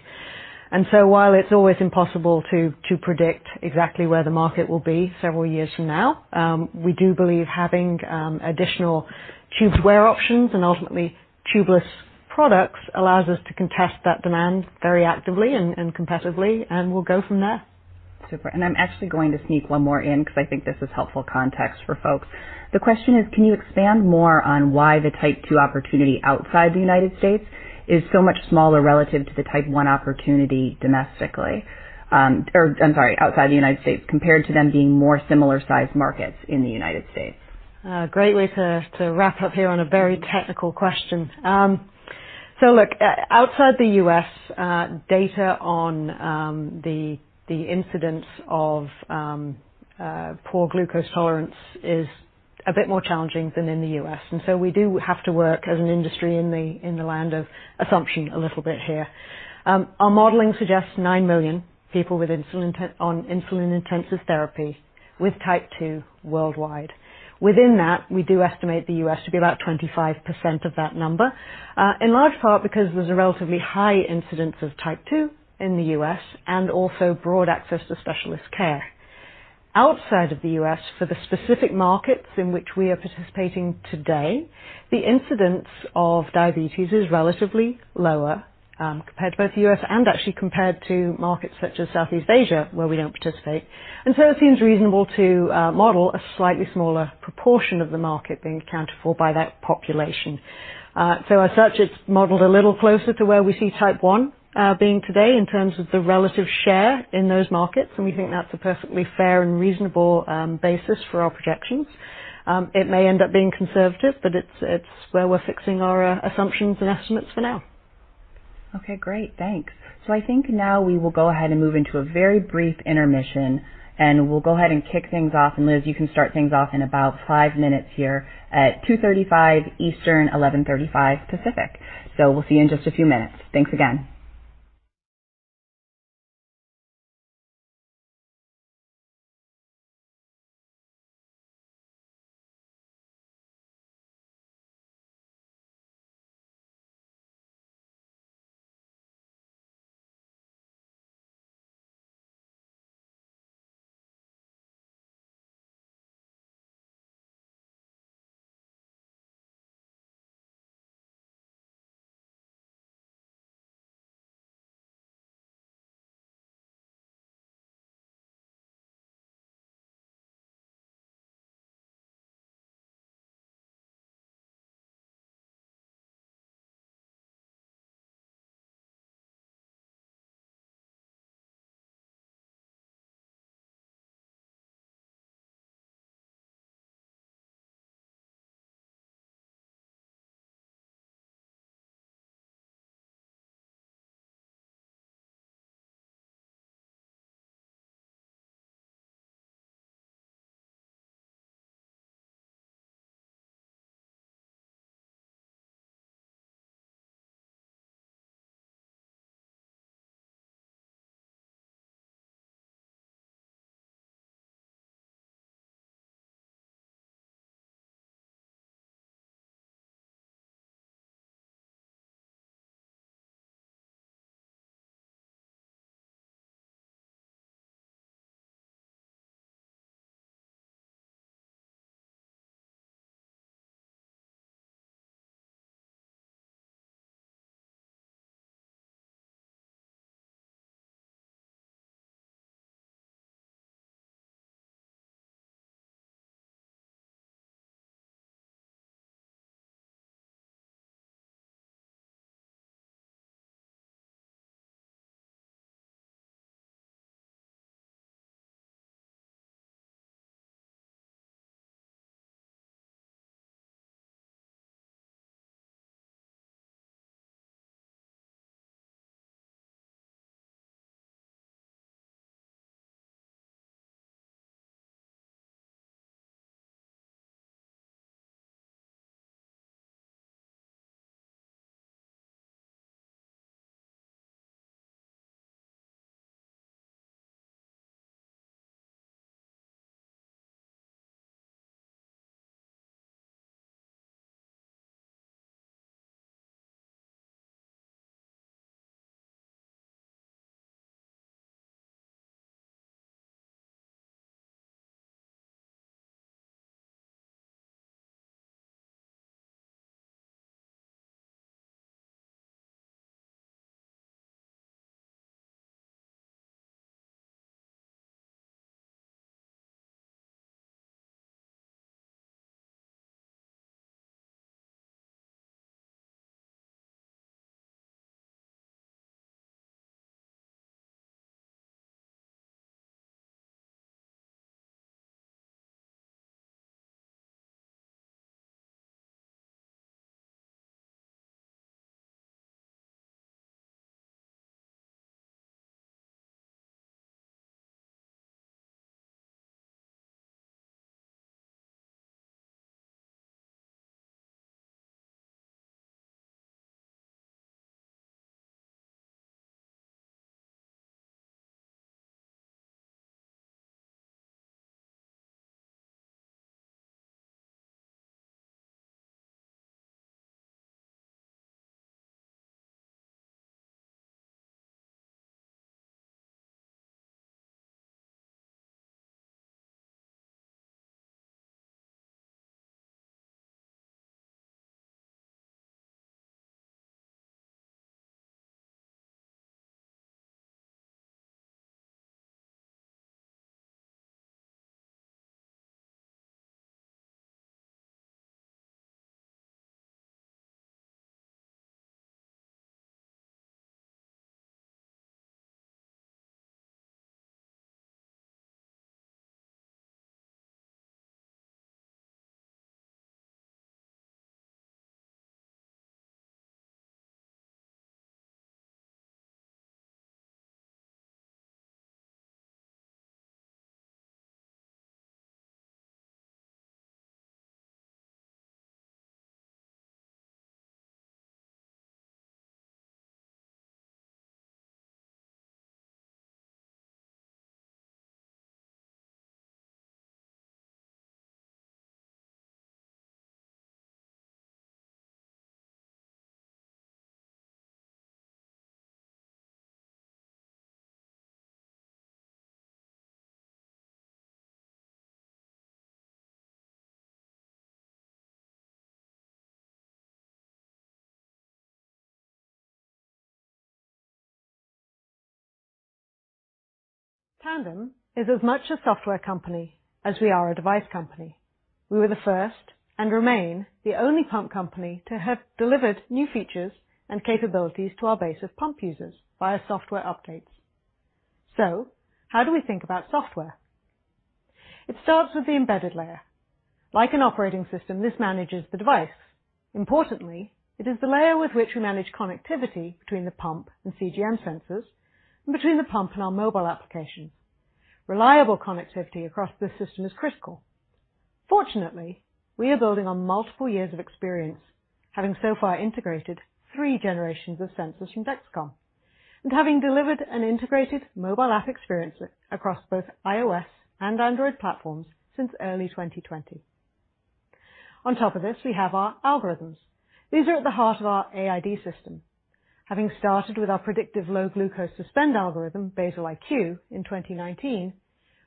While it's always impossible to predict exactly where the market will be several years from now, we do believe having additional tubed wearable options and ultimately tubeless products allows us to contest that demand very actively and competitively, and we'll go from there. Super. I'm actually going to sneak one more in because I think this is helpful context for folks. The question is, can you expand more on why the type 2 opportunity outside the United States is so much smaller relative to the type 1 opportunity domestically? Or outside the United States compared to them being more similar sized markets in the United States. Great way to wrap up here on a very technical question. So look, outside the U.S., data on the incidence of poor glucose tolerance is a bit more challenging than in the U.S. We do have to work as an industry in the land of assumption a little bit here. Our modeling suggests 9 million people with insulin on insulin-intensive therapy with type 2 worldwide. Within that, we do estimate the U.S. to be about 25% of that number, in large part because there's a relatively high incidence of type 2 in the U.S. and also broad access to specialist care. Outside of the U.S., for the specific markets in which we are participating today, the incidence of diabetes is relatively lower compared to both the U.S. and actually compared to markets such as Southeast Asia, where we don't participate. It seems reasonable to model a slightly smaller proportion of the market being accounted for by that population. As such, it's modeled a little closer to where we see Type 1 being today in terms of the relative share in those markets. We think that's a perfectly fair and reasonable basis for our projections. It may end up being conservative, but it's where we're fixing our assumptions and estimates for now. Okay, great. Thanks. I think now we will go ahead and move into a very brief intermission, and we'll go ahead and kick things off. Liz, you can start things off in about five minutes here at 2:35 P.M. Eastern, 11:35 A.M. Pacific. We'll see you in just a few minutes. Thanks again. Tandem is as much a software company as we are a device company. We were the first and remain the only pump company to have delivered new features and capabilities to our base of pump users via software updates. How do we think about software? It starts with the embedded layer. Like an operating system, this manages the device. Importantly, it is the layer with which we manage connectivity between the pump and CGM sensors and between the pump and our mobile application. Reliable connectivity across this system is critical. Fortunately, we are building on multiple years of experience, having so far integrated three generations of sensors from Dexcom and having delivered an integrated mobile app experience across both iOS and Android platforms since early 2020. On top of this, we have our algorithms. These are at the heart of our AID system. Having started with our predictive low glucose suspend algorithm, Basal-IQ, in 2019,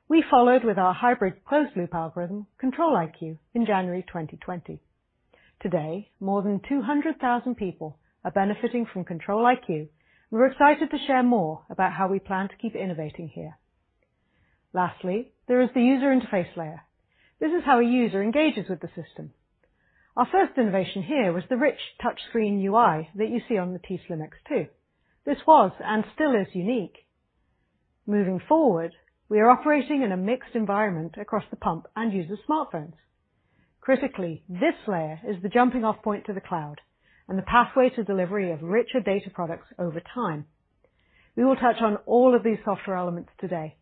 we followed with our hybrid closed loop algorithm, Control-IQ, in January 2020. Today, more than 200,000 people are benefiting from Control-IQ. We're excited to share more about how we plan to keep innovating here. Lastly, there is the user interface layer. This is how a user engages with the system. Our first innovation here was the rich touchscreen UI that you see on the t:slim X2. This was and still is unique. Moving forward, we are operating in a mixed environment across the pump and user smartphones. Critically, this layer is the jumping off point to the cloud and the pathway to delivery of richer data products over time. We will touch on all of these software elements today.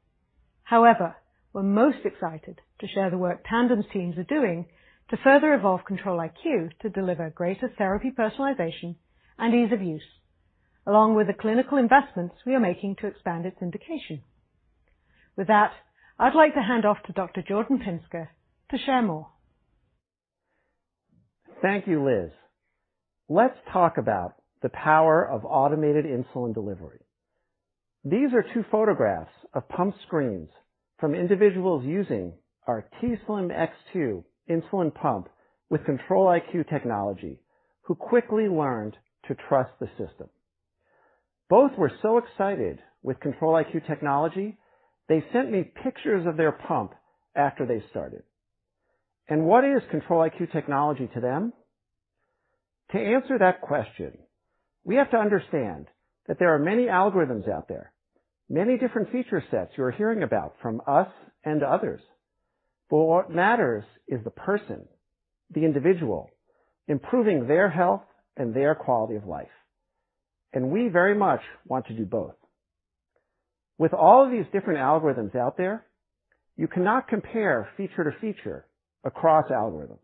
However, we're most excited to share the work Tandem teams are doing to further evolve Control-IQ to deliver greater therapy, personalization, and ease of use, along with the clinical investments we are making to expand its indication. With that, I'd like to hand off to Dr. Jordan Pinsker to share more. Thank you, Liz. Let's talk about the power of automated insulin delivery. These are two photographs of pump screens from individuals using our t:slim X2 insulin pump with Control-IQ technology who quickly learned to trust the system. Both were so excited with Control-IQ technology, they sent me pictures of their pump after they started. What is Control-IQ technology to them? To answer that question, we have to understand that there are many algorithms out there, many different feature sets you're hearing about from us and others. But what matters is the person, the individual, improving their health and their quality of life. We very much want to do both. With all of these different algorithms out there, you cannot compare feature to feature across algorithms.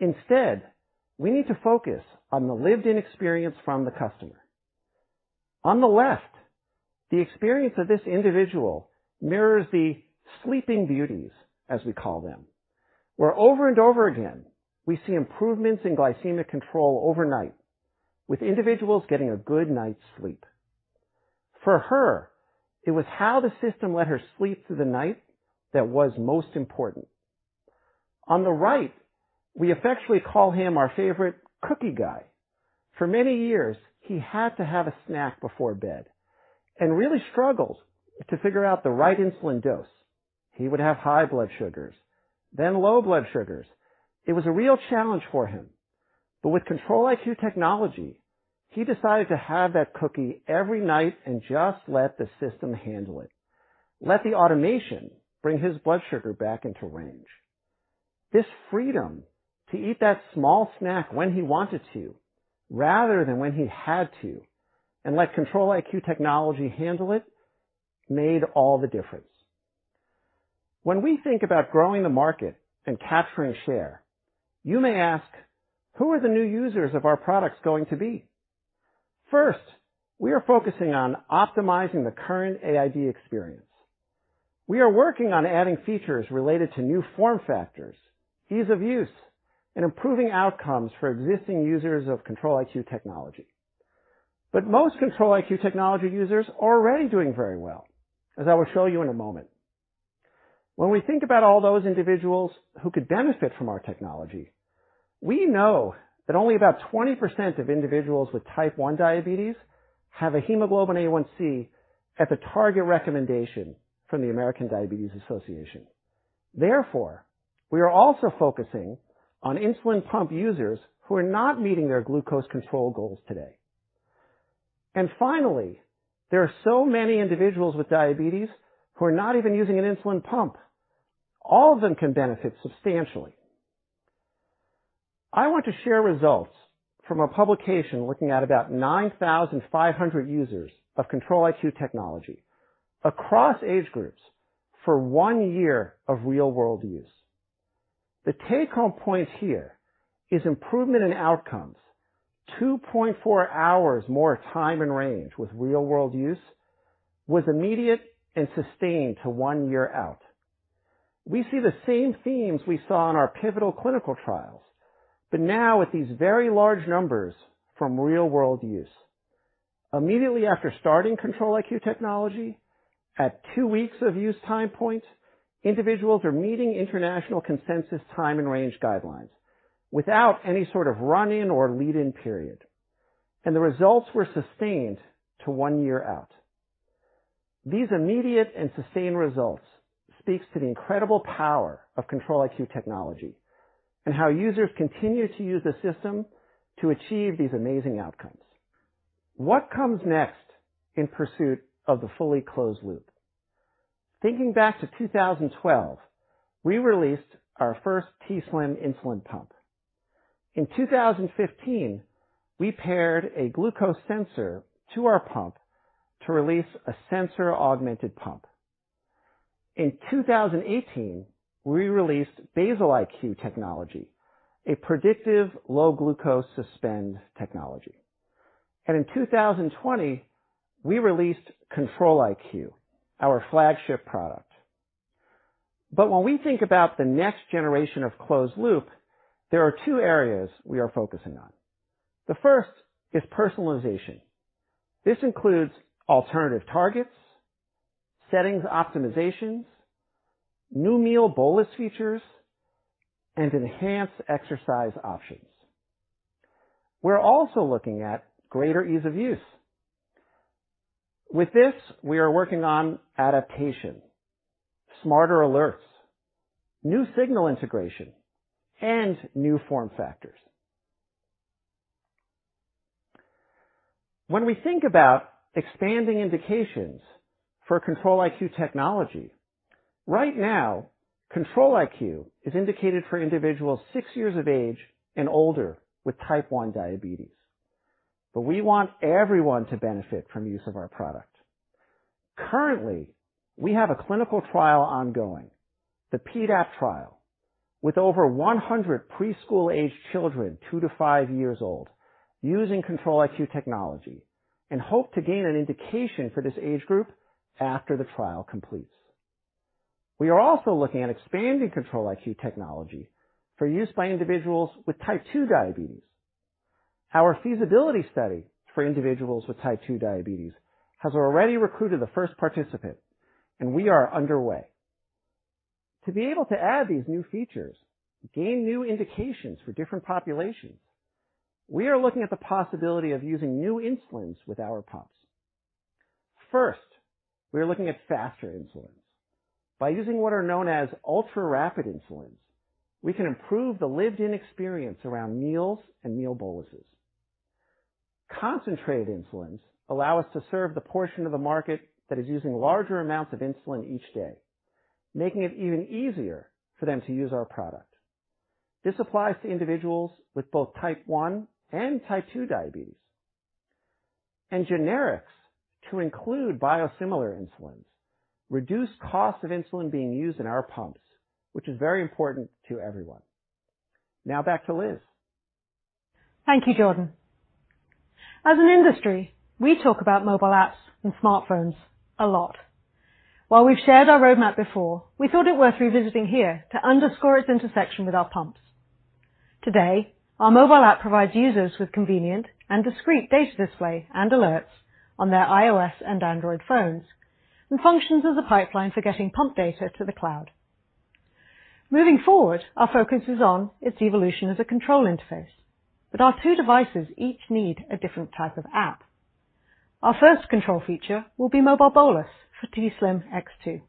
Instead, we need to focus on the lived-in experience from the customer. On the left, the experience of this individual mirrors the sleeping beauties, as we call them, where over and over again, we see improvements in glycemic control overnight, with individuals getting a good night's sleep. For her, it was how the system let her sleep through the night that was most important. On the right, we affectionately call him our favorite cookie guy. For many years, he had to have a snack before bed and really struggled to figure out the right insulin dose. He would have high blood sugars, then low blood sugars. It was a real challenge for him. With Control-IQ technology, he decided to have that cookie every night and just let the system handle it, let the automation bring his blood sugar back into range. This freedom to eat that small snack when he wanted to, rather than when he had to, and let Control-IQ technology handle it, made all the difference. When we think about growing the market and capturing share, you may ask, "Who are the new users of our products going to be?" First, we are focusing on optimizing the current AID experience. We are working on adding features related to new form factors, ease of use, and improving outcomes for existing users of Control-IQ technology. Most Control-IQ technology users are already doing very well, as I will show you in a moment. When we think about all those individuals who could benefit from our technology, we know that only about 20% of individuals with type 1 diabetes have an A1C at the target recommendation from the American Diabetes Association. Therefore, we are also focusing on insulin pump users who are not meeting their glucose control goals today. Finally, there are so many individuals with diabetes who are not even using an insulin pump. All of them can benefit substantially. I want to share results from a publication looking at about 9,500 users of Control-IQ technology across age groups for one year of real-world use. The take-home point here is improvement in outcomes. 2.4 hours more time in range with real-world use was immediate and sustained to one year out. We see the same themes we saw in our pivotal clinical trials, but now with these very large numbers from real-world use. Immediately after starting Control-IQ Technology, at two weeks of use time point, individuals are meeting international consensus time in range guidelines without any sort of run-in or lead-in period, and the results were sustained to one year out. These immediate and sustained results speaks to the incredible power of Control-IQ Technology and how users continue to use the system to achieve these amazing outcomes. What comes next in pursuit of the fully closed loop? Thinking back to 2012, we released our first t:slim insulin pump. In 2015, we paired a glucose sensor to our pump to release a sensor-augmented pump. In 2018, we released Basal-IQ Technology, a predictive low glucose suspend technology. In 2020, we released Control-IQ, our flagship product. When we think about the next generation of closed loop, there are two areas we are focusing on. The first is personalization. This includes alternative targets, settings optimizations, new meal bolus features, and enhanced exercise options. We're also looking at greater ease of use. With this, we are working on adaptation, smarter alerts, new signal integration, and new form factors. When we think about expanding indications for Control-IQ Technology, right now, Control-IQ is indicated for individuals six years of age and older with type 1 diabetes. We want everyone to benefit from use of our product. Currently, we have a clinical trial ongoing, the PEDAP trial, with over 100 preschool-aged children, two to five years old, using Control-IQ technology and hope to gain an indication for this age group after the trial completes. We are also looking at expanding Control-IQ technology for use by individuals with type 2 diabetes. Our feasibility study for individuals with type 2 diabetes has already recruited the first participant, and we are underway. To be able to add these new features, gain new indications for different populations, we are looking at the possibility of using new insulins with our pumps. First, we are looking at faster insulins. By using what are known as ultra-rapid insulins, we can improve the lived experience around meals and meal boluses. Concentrated insulins allow us to serve the portion of the market that is using larger amounts of insulin each day, making it even easier for them to use our product. This applies to individuals with both type 1 and type 2 diabetes. Generics to include biosimilar insulins, reduce cost of insulin being used in our pumps, which is very important to everyone. Now back to Liz. Thank you, Jordan. As an industry, we talk about mobile apps and smartphones a lot. While we've shared our roadmap before, we thought it worth revisiting here to underscore its intersection with our pumps. Today, our mobile app provides users with convenient and discreet data display and alerts on their iOS and Android phones and functions as a pipeline for getting pump data to the cloud. Moving forward, our focus is on its evolution as a control interface. Our two devices each need a different type of app. Our first control feature will be Mobile Bolus for t:slim X2.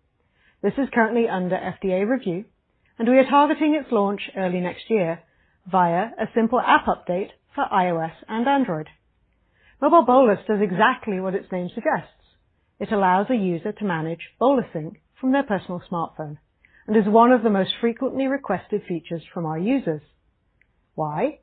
This is currently under FDA review, and we are targeting its launch early next year via a simple app update for iOS and Android. Mobile Bolus does exactly what its name suggests. It allows a user to manage bolusing from their personal smartphone and is one of the most frequently requested features from our users. Why?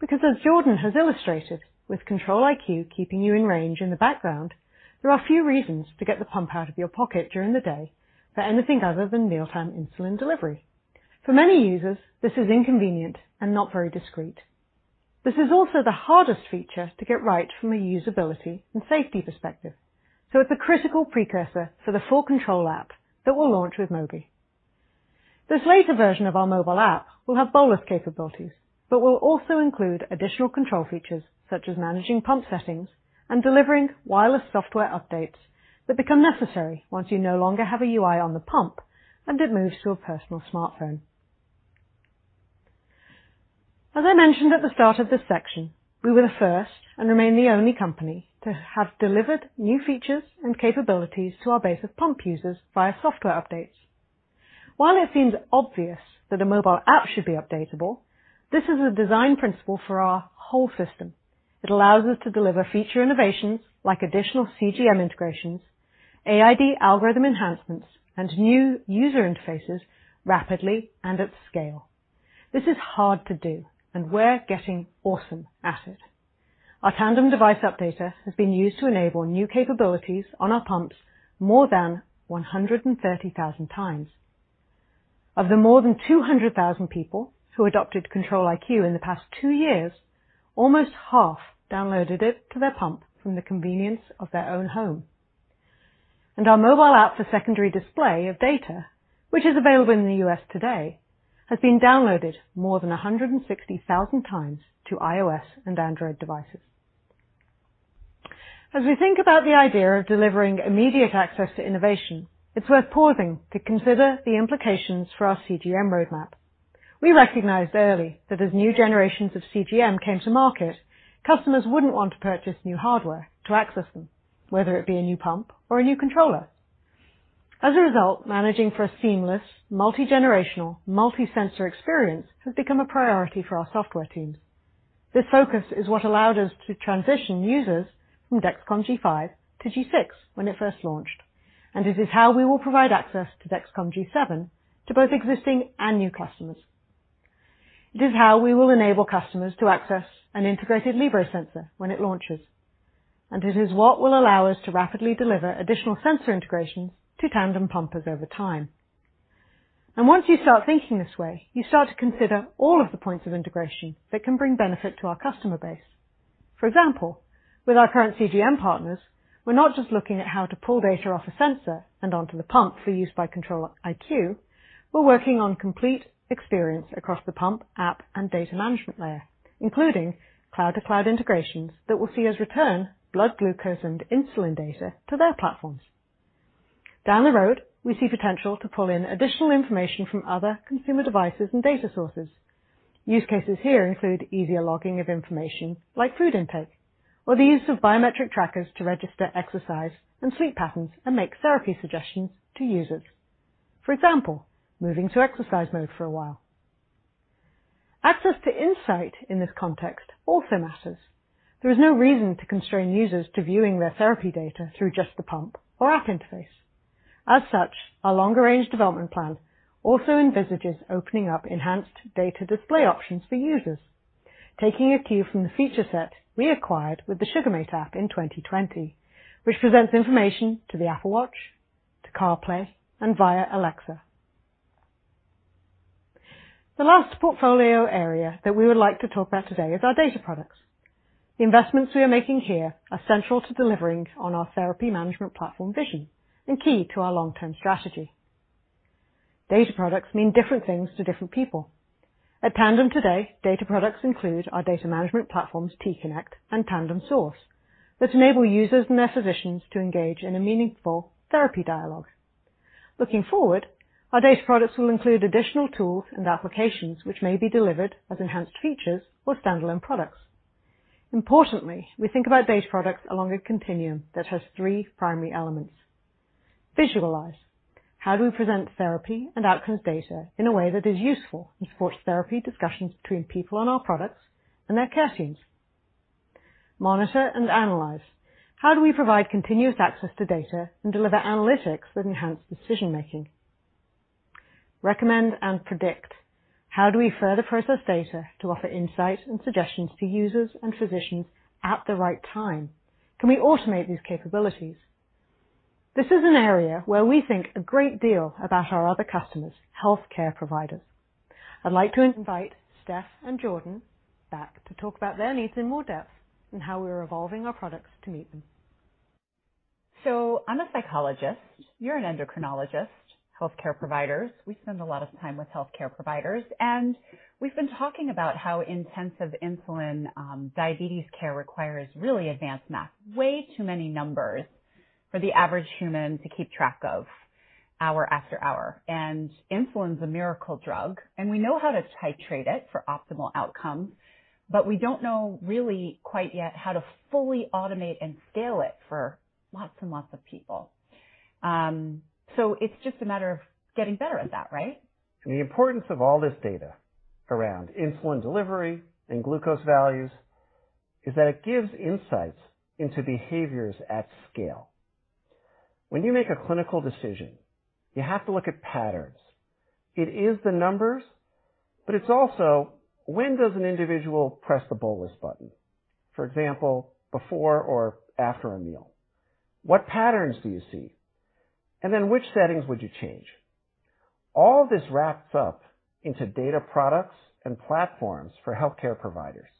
Because as Jordan has illustrated, with Control-IQ keeping you in range in the background, there are few reasons to get the pump out of your pocket during the day for anything other than mealtime insulin delivery. For many users, this is inconvenient and not very discreet. This is also the hardest feature to get right from a usability and safety perspective. It's a critical precursor for the full control app that will launch with Mobi. This later version of our mobile app will have bolus capabilities but will also include additional control features such as managing pump settings and delivering wireless software updates that become necessary once you no longer have a UI on the pump and it moves to a personal smartphone. As I mentioned at the start of this section, we were the first and remain the only company to have delivered new features and capabilities to our base of pump users via software updates. While it seems obvious that a mobile app should be updatable, this is a design principle for our whole system. It allows us to deliver feature innovations like additional CGM integrations, AID algorithm enhancements, and new user interfaces rapidly and at scale. This is hard to do, and we're getting awesome at it. Our Tandem Device Updater has been used to enable new capabilities on our pumps more than 130,000 times. Of the more than 200,000 people who adopted Control-IQ in the past two years, almost half downloaded it to their pump from the convenience of their own home. Our mobile app for secondary display of data, which is available in the U.S. today, has been downloaded more than 160,000 times to iOS and Android devices. As we think about the idea of delivering immediate access to innovation, it's worth pausing to consider the implications for our CGM roadmap. We recognized early that as new generations of CGM came to market, customers wouldn't want to purchase new hardware to access them, whether it be a new pump or a new controller. As a result, managing for a seamless, multi-generational, multi-sensor experience has become a priority for our software teams. This focus is what allowed us to transition users from Dexcom G5 to G6 when it first launched, and it is how we will provide access to Dexcom G7 to both existing and new customers. It is how we will enable customers to access an integrated Libre sensor when it launches. It is what will allow us to rapidly deliver additional sensor integrations to Tandem pumpers over time. Once you start thinking this way, you start to consider all of the points of integration that can bring benefit to our customer base. For example, with our current CGM partners, we're not just looking at how to pull data off a sensor and onto the pump for use by Control-IQ. We're working on complete experience across the pump, app, and data management layer, including cloud-to-cloud integrations that will see us return blood glucose and insulin data to their platforms. Down the road, we see potential to pull in additional information from other consumer devices and data sources. Use cases here include easier logging of information like food intake or the use of biometric trackers to register exercise and sleep patterns and make therapy suggestions to users. For example, moving to exercise mode for a while. Access to insight in this context also matters. There is no reason to constrain users to viewing their therapy data through just the pump or app interface. As such, our longer-range development plan also envisages opening up enhanced data display options for users. Taking a cue from the feature set we acquired with the Sugarmate app in 2020, which presents information to the Apple Watch, to CarPlay, and via Alexa. The last portfolio area that we would like to talk about today is our data products. The investments we are making here are central to delivering on our therapy management platform vision and key to our long-term strategy. Data products mean different things to different people. At Tandem today, data products include our data management platforms, t:connect and Tandem Source, which enable users and their physicians to engage in a meaningful therapy dialogue. Looking forward, our data products will include additional tools and applications which may be delivered as enhanced features or standalone products. Importantly, we think about data products along a continuum that has three primary elements. Visualize, how do we present therapy and outcomes data in a way that is useful and supports therapy discussions between people and our products and their care teams. Monitor and analyze, how do we provide continuous access to data and deliver analytics that enhance decision-making? Recommend and predict, how do we further process data to offer insights and suggestions to users and physicians at the right time? Can we automate these capabilities? This is an area where we think a great deal about our other customers, healthcare providers. I'd like to invite Steph and Jordan back to talk about their needs in more depth and how we're evolving our products to meet them. I'm a psychologist, you're an endocrinologist. Healthcare providers. We spend a lot of time with healthcare providers, and we've been talking about how intensive insulin, diabetes care requires really advanced math. Way too many numbers for the average human to keep track of hour after hour. Insulin is a miracle drug, and we know how to titrate it for optimal outcomes, but we don't know really quite yet how to fully automate and scale it for lots and lots of people. It's just a matter of getting better at that, right? The importance of all this data around insulin delivery and glucose values is that it gives insights into behaviors at scale. When you make a clinical decision, you have to look at patterns. It is the numbers, but it's also when does an individual press the bolus button, for example, before or after a meal? What patterns do you see? And then which settings would you change? All this wraps up into data products and platforms for healthcare providers.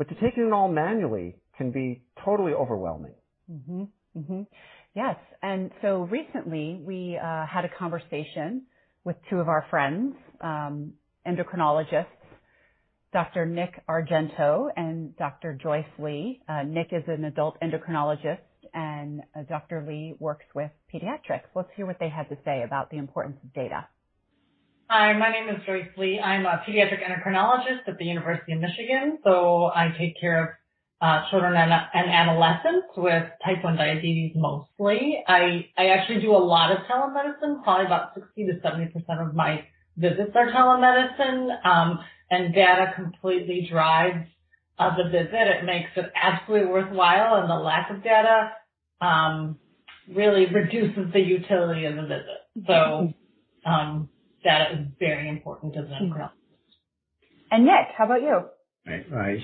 To take it in all manually can be totally overwhelming. Mm-hmm. Mm-hmm. Yes. Recently, we had a conversation with two of our friends, endocrinologists, Dr. Nick Argento and Dr. Joyce Lee. Nick is an adult endocrinologist, and Dr. Lee works with pediatrics. Let's hear what they had to say about the importance of data. Hi, my name is Joyce Lee. I'm a pediatric endocrinologist at the University of Michigan. I take care of children and adolescents with type 1 diabetes, mostly. I actually do a lot of telemedicine, probably about 60%-70% of my visits are telemedicine. Data completely drives the visit. It makes it absolutely worthwhile, and the lack of data really reduces the utility of the visit. Mm-hmm. Data is very important to them. Mm-hmm. Nick, how about you? Right.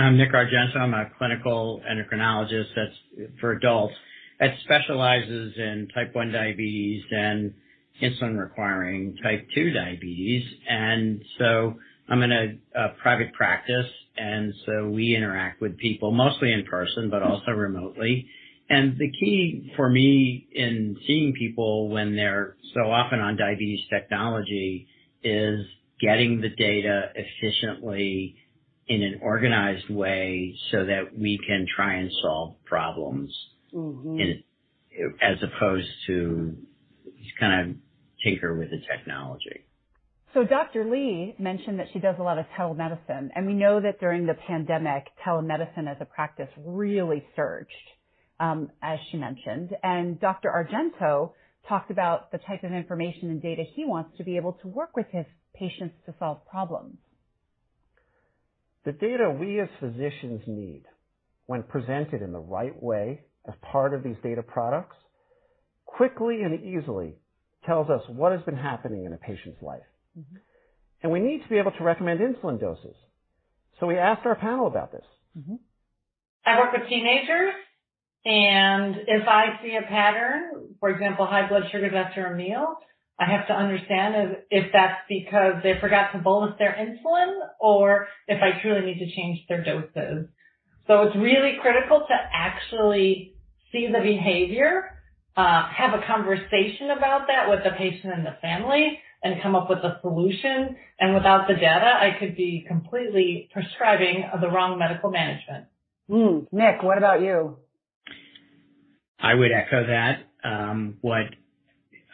I'm Nick Argento. I'm a clinical endocrinologist that's for adults, that specializes in type one diabetes and insulin-requiring type two diabetes. I'm in a private practice, and we interact with people mostly in person, but also remotely. The key for me in seeing people when they're so often on diabetes technology is getting the data efficiently in an organized way so that we can try and solve problems. Mm-hmm. as opposed to just kinda tinker with the technology. Dr. Lee mentioned that she does a lot of telemedicine, and we know that during the pandemic, telemedicine as a practice really surged, as she mentioned. Dr. Argento talked about the type of information and data he wants to be able to work with his patients to solve problems. The data we as physicians need, when presented in the right way as part of these data products, quickly and easily tells us what has been happening in a patient's life. Mm-hmm. We need to be able to recommend insulin doses. We asked our panel about this. Mm-hmm. I work with teenagers, and if I see a pattern, for example, high blood sugar after a meal, I have to understand if that's because they forgot to bolus their insulin or if I truly need to change their doses. So it's really critical to actually see the behavior, have a conversation about that with the patient and the family, and come up with a solution. Without the data, I could be completely prescribing the wrong medical management. Nick, what about you? I would echo that. What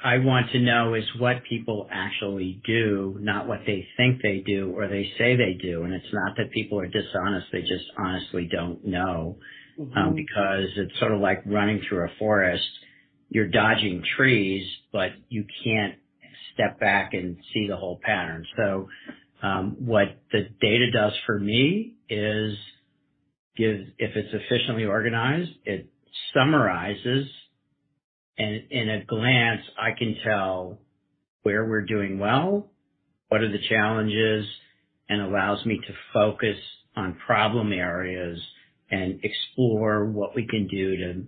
I want to know is what people actually do, not what they think they do or they say they do. It's not that people are dishonest, they just honestly don't know. Mm-hmm. Because it's sort of like running through a forest. You're dodging trees, but you can't step back and see the whole pattern. What the data does for me is gives, if it's efficiently organized, it summarizes, and in a glance, I can tell where we're doing well, what are the challenges, and allows me to focus on problem areas and explore what we can do to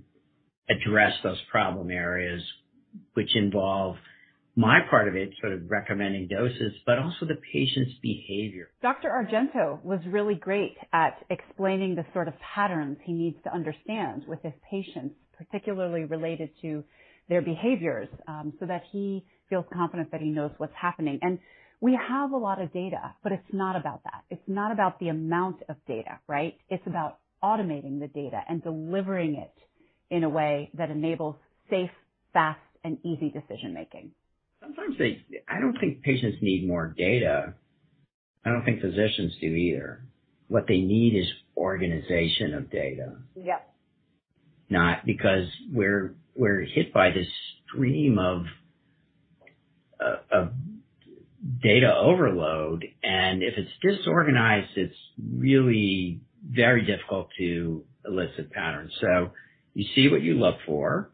address those problem areas which involve my part of it, sort of recommending doses, but also the patient's behavior. Dr. Argento was really great at explaining the sort of patterns he needs to understand with his patients, particularly related to their behaviors, so that he feels confident that he knows what's happening. We have a lot of data, but it's not about that. It's not about the amount of data, right? It's about automating the data and delivering it in a way that enables safe, fast, and easy decision making. I don't think patients need more data. I don't think physicians do either. What they need is organization of data. Yep. Not because we're hit by this stream of data overload, and if it's disorganized, it's really very difficult to elicit patterns. You see what you look for.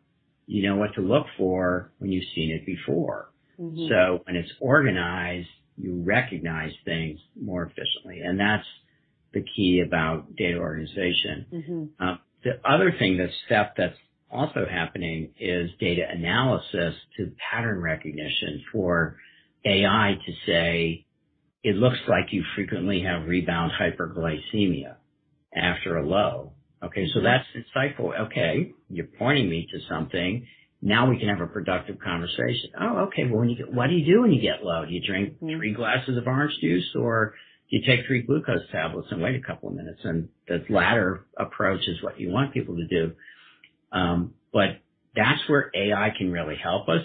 You know what to look for when you've seen it before. Mm-hmm. when it's organized, you recognize things more efficiently. That's the key about data organization. Mm-hmm. The other thing, the step that's also happening is data analysis to pattern recognition for AI to say, "It looks like you frequently have rebound hyperglycemia after a low." Okay. Mm-hmm. That's insightful. Okay, you're pointing me to something. Now we can have a productive conversation. "Oh, okay. Well, what do you do when you get low? Do you drink three glasses of orange juice, or do you take three glucose tablets and wait a couple of minutes?" The latter approach is what you want people to do. That's where AI can really help us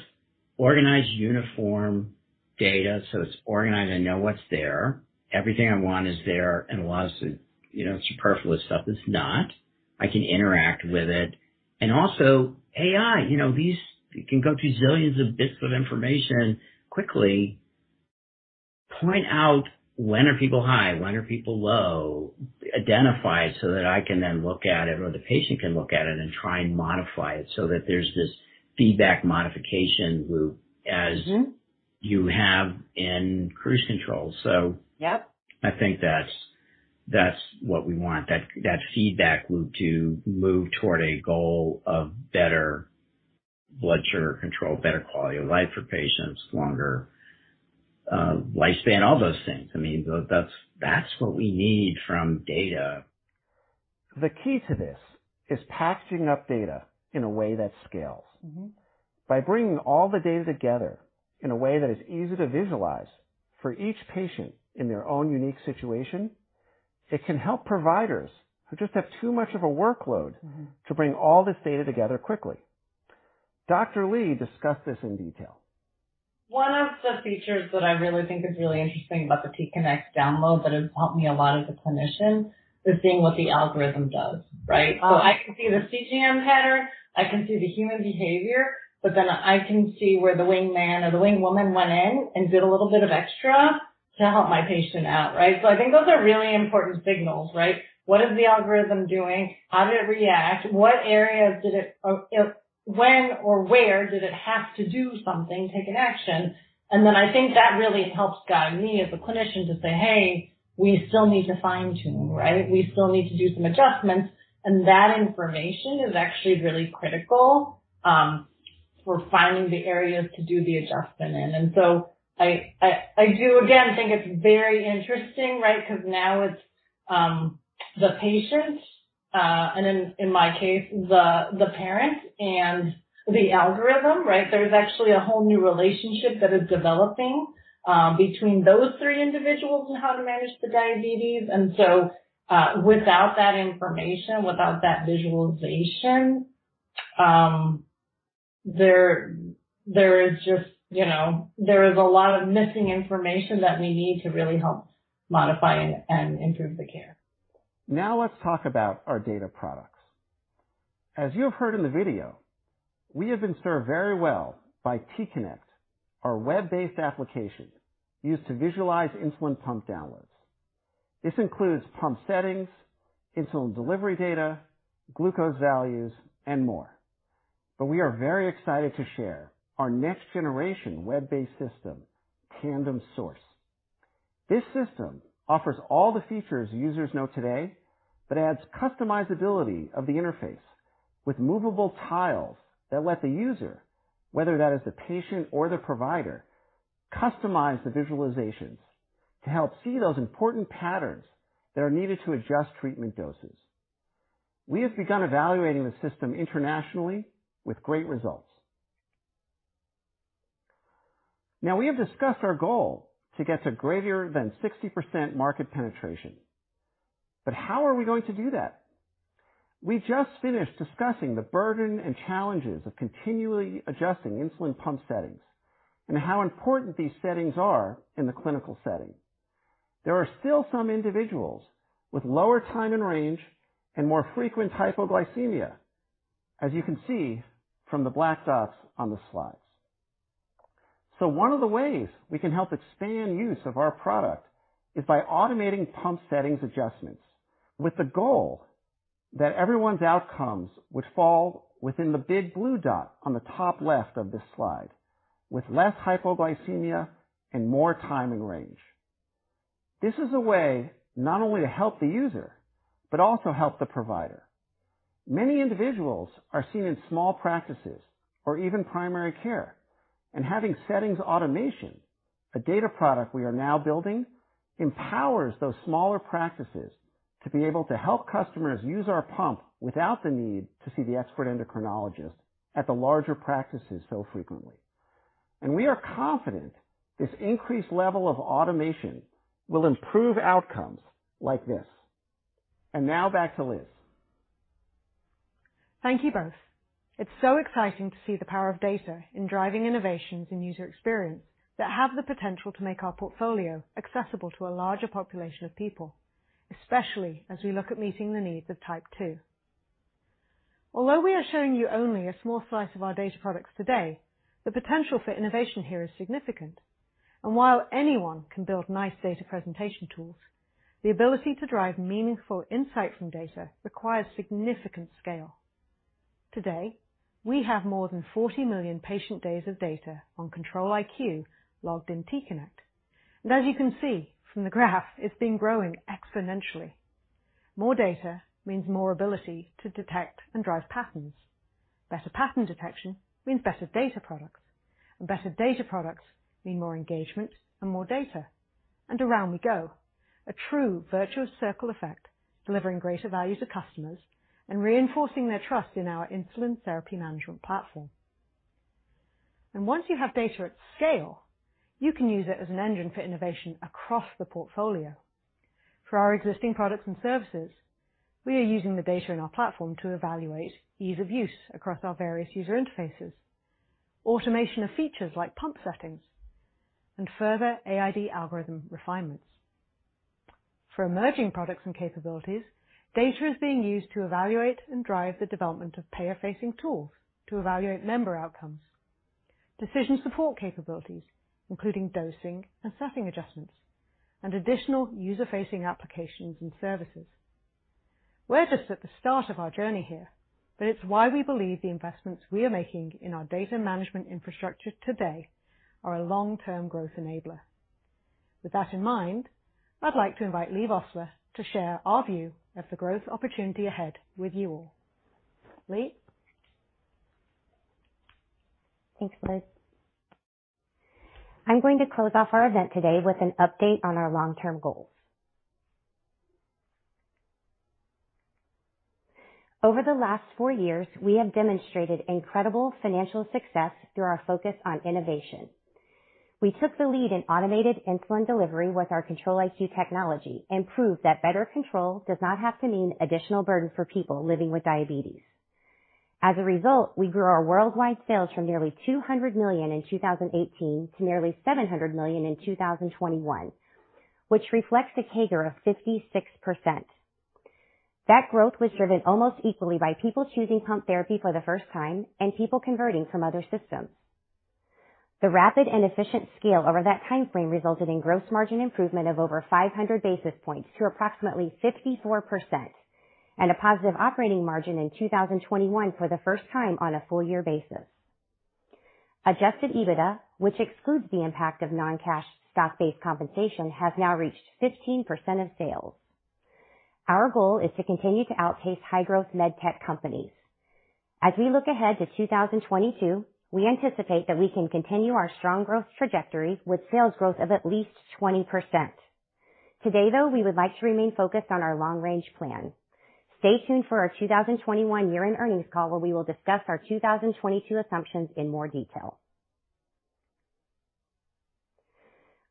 organize uniform data so it's organized and know what's there. Everything I want is there, and a lot of superfluous stuff is not. I can interact with it. Also AI these can go through zillions of bits of information quickly, point out when are people high, when are people low, identify so that I can then look at it, or the patient can look at it and try and modify it so that there's this feedback modification loop. Mm-hmm. you have in cruise control. Yep. I think that's what we want. That feedback loop to move toward a goal of better blood sugar control, better quality of life for patients, longer lifespan, all those things. I mean, that's what we need from data. The key to this is packaging up data in a way that scales. Mm-hmm. By bringing all the data together in a way that is easy to visualize for each patient in their own unique situation, it can help providers who just have too much of a workload. Mm-hmm. to bring all this data together quickly. Dr. Lee discussed this in detail. One of the features that I really think is really interesting about the t:connect download that has helped me a lot as a clinician is seeing what the algorithm does, right? Oh. I can see the CGM pattern, I can see the human behavior, but then I can see where the wingman or the wing woman went in and did a little bit of extra to help my patient out, right? I think those are really important signals, right? What is the algorithm doing? How did it react? Or when or where did it have to do something, take an action? I think that really helps guide me as a clinician to say, "Hey, we still need to fine-tune," right? "We still need to do some adjustments." That information is actually really critical for finding the areas to do the adjustment in. I do again think it's very interesting, right? 'Cause now it's the patients and then in my case, the parent and the algorithm, right? There's actually a whole new relationship that is developing between those three individuals on how to manage the diabetes. Without that information, without that visualization, there is just there is a lot of missing information that we need to really help modify and improve the care. Now let's talk about our data products. As you have heard in the video, we have been served very well by t:connect, our web-based application used to visualize insulin pump downloads. This includes pump settings, insulin delivery data, glucose values, and more. We are very excited to share our next generation web-based system, Tandem Source. This system offers all the features users know today, but adds customizability of the interface with movable tiles that let the user, whether that is the patient or the provider, customize the visualizations to help see those important patterns that are needed to adjust treatment doses. We have begun evaluating the system internationally with great results. Now, we have discussed our goal to get to greater than 60% market penetration. How are we going to do that? We just finished discussing the burden and challenges of continually adjusting insulin pump settings and how important these settings are in the clinical setting. There are still some individuals with lower time in range and more frequent hypoglycemia, as you can see from the black dots on the slides. One of the ways we can help expand use of our product is by automating pump settings adjustments with the goal that everyone's outcomes would fall within the big blue dot on the top left of this slide with less hypoglycemia and more time in range. This is a way not only to help the user, but also help the provider. Many individuals are seen in small practices or even primary care, and having settings automation, a data product we are now building, empowers those smaller practices to be able to help customers use our pump without the need to see the expert endocrinologist at the larger practices so frequently. We are confident this increased level of automation will improve outcomes like this. Now back to Liz. Thank you both. It's so exciting to see the power of data in driving innovations in user experience that have the potential to make our portfolio accessible to a larger population of people, especially as we look at meeting the needs of type two. Although we are showing you only a small slice of our data products today, the potential for innovation here is significant. While anyone can build nice data presentation tools, the ability to drive meaningful insight from data requires significant scale. Today, we have more than 40 million patient days of data on Control-IQ logged in t:connect. As you can see from the graph, it's been growing exponentially. More data means more ability to detect and drive patterns. Better pattern detection means better data products, and better data products mean more engagement and more data. Around we go. A true virtuous circle effect, delivering greater value to customers and reinforcing their trust in our insulin therapy management platform. Once you have data at scale, you can use it as an engine for innovation across the portfolio. For our existing products and services, we are using the data in our platform to evaluate ease of use across our various user interfaces, automation of features like pump settings, and further AID algorithm refinements. For emerging products and capabilities, data is being used to evaluate and drive the development of payer-facing tools to evaluate member outcomes, decision support capabilities, including dosing and setting adjustments, and additional user-facing applications and services. We're just at the start of our journey here, but it's why we believe the investments we are making in our data management infrastructure today are a long-term growth enabler. With that in mind, I'd like to invite Leigh Vosseller to share our view of the growth opportunity ahead with you all. Leigh. Thanks, Liz. I'm going to close off our event today with an update on our long-term goals. Over the last four years, we have demonstrated incredible financial success through our focus on innovation. We took the lead in automated insulin delivery with our Control-IQ technology and proved that better control does not have to mean additional burden for people living with diabetes. As a result, we grew our worldwide sales from nearly $200 million in 2018 to nearly $700 million in 2021, which reflects a CAGR of 56%. That growth was driven almost equally by people choosing pump therapy for the first time and people converting from other systems. The rapid and efficient scale over that time frame resulted in gross margin improvement of over 500 basis points to approximately 54% and a positive operating margin in 2021 for the first time on a full year basis. Adjusted EBITDA, which excludes the impact of non-cash stock-based compensation, has now reached 15% of sales. Our goal is to continue to outpace high-growth medtech companies. As we look ahead to 2022, we anticipate that we can continue our strong growth trajectory with sales growth of at least 20%. Today, though, we would like to remain focused on our long range plan. Stay tuned for our 2021 year-end earnings call, where we will discuss our 2022 assumptions in more detail.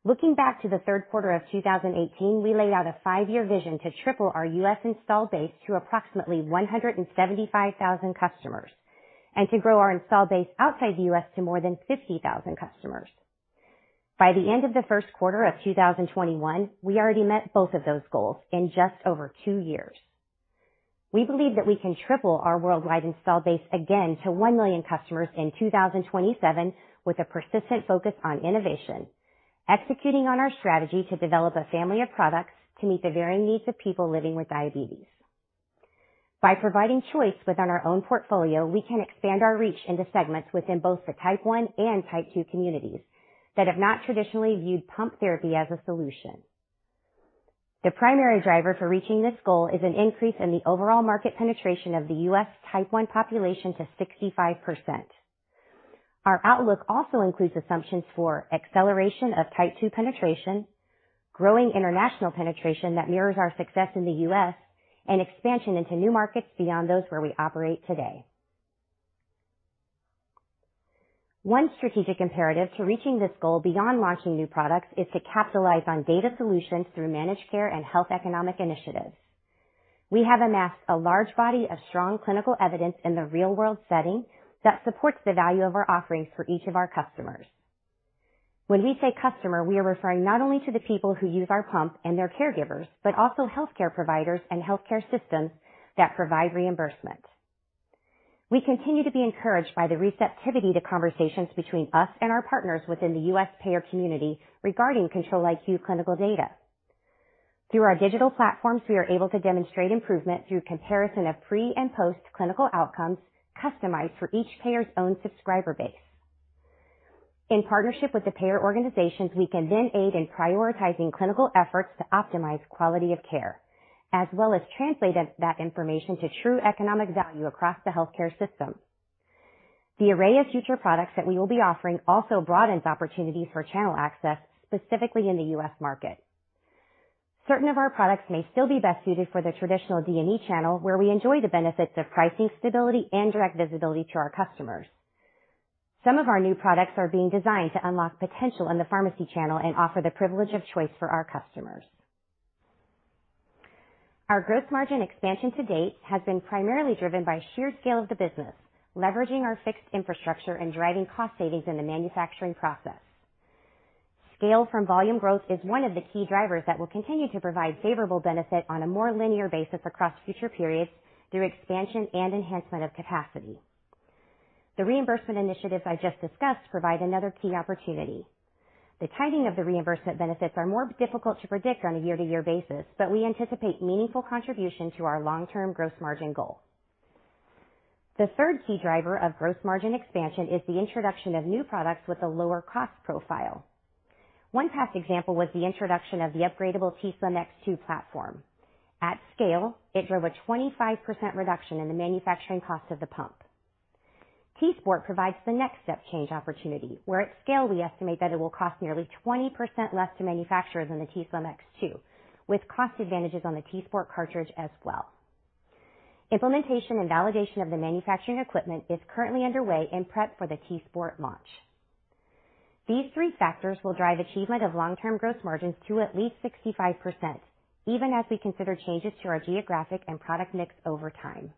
Looking back to the Q3 of 2018, we laid out a five-year vision to triple our U.S. install base to approximately 175,000 customers and to grow our install base outside the U.S. to more than 50,000 customers. By the end of the Q1 of 2021, we already met both of those goals in just over two years. We believe that we can triple our worldwide install base again to 1 million customers in 2027 with a persistent focus on innovation, executing on our strategy to develop a family of products to meet the varying needs of people living with diabetes. By providing choice within our own portfolio, we can expand our reach into segments within both the type 1 and type 2 communities that have not traditionally viewed pump therapy as a solution. The primary driver for reaching this goal is an increase in the overall market penetration of the U.S. type 1 population to 65%. Our outlook also includes assumptions for acceleration of type 2 penetration, growing international penetration that mirrors our success in the U.S., and expansion into new markets beyond those where we operate today. One strategic imperative to reaching this goal beyond launching new products is to capitalize on data solutions through managed care and health economic initiatives. We have amassed a large body of strong clinical evidence in the real-world setting that supports the value of our offerings for each of our customers. When we say customer, we are referring not only to the people who use our pump and their caregivers, but also healthcare providers and healthcare systems that provide reimbursement. We continue to be encouraged by the receptivity to conversations between us and our partners within the U.S. payer community regarding Control-IQ clinical data. Through our digital platforms, we are able to demonstrate improvement through comparison of pre and post clinical outcomes customized for each payer's own subscriber base. In partnership with the payer organizations, we can then aid in prioritizing clinical efforts to optimize quality of care, as well as translate that information to true economic value across the healthcare system. The array of future products that we will be offering also broadens opportunities for channel access, specifically in the U.S. market. Certain of our products may still be best suited for the traditional DME channel, where we enjoy the benefits of pricing stability and direct visibility to our customers. Some of our new products are being designed to unlock potential in the pharmacy channel and offer the privilege of choice for our customers. Our growth margin expansion to date has been primarily driven by sheer scale of the business, leveraging our fixed infrastructure and driving cost savings in the manufacturing process. Scale from volume growth is one of the key drivers that will continue to provide favorable benefit on a more linear basis across future periods through expansion and enhancement of capacity. The reimbursement initiatives I just discussed provide another key opportunity. The timing of the reimbursement benefits are more difficult to predict on a year-to-year basis, but we anticipate meaningful contribution to our long-term gross margin goal. The third key driver of gross margin expansion is the introduction of new products with a lower cost profile. One past example was the introduction of the upgradable t:slim X2 platform. At scale, it drove a 25% reduction in the manufacturing cost of the pump. t:sport provides the next step change opportunity, where at scale we estimate that it will cost nearly 20% less to manufacture than the t:slim X2, with cost advantages on the t:sport cartridge as well. Implementation and validation of the manufacturing equipment is currently underway in prep for the t:sport launch. These three factors will drive achievement of long-term gross margins to at least 65%, even as we consider changes to our geographic and product mix over time.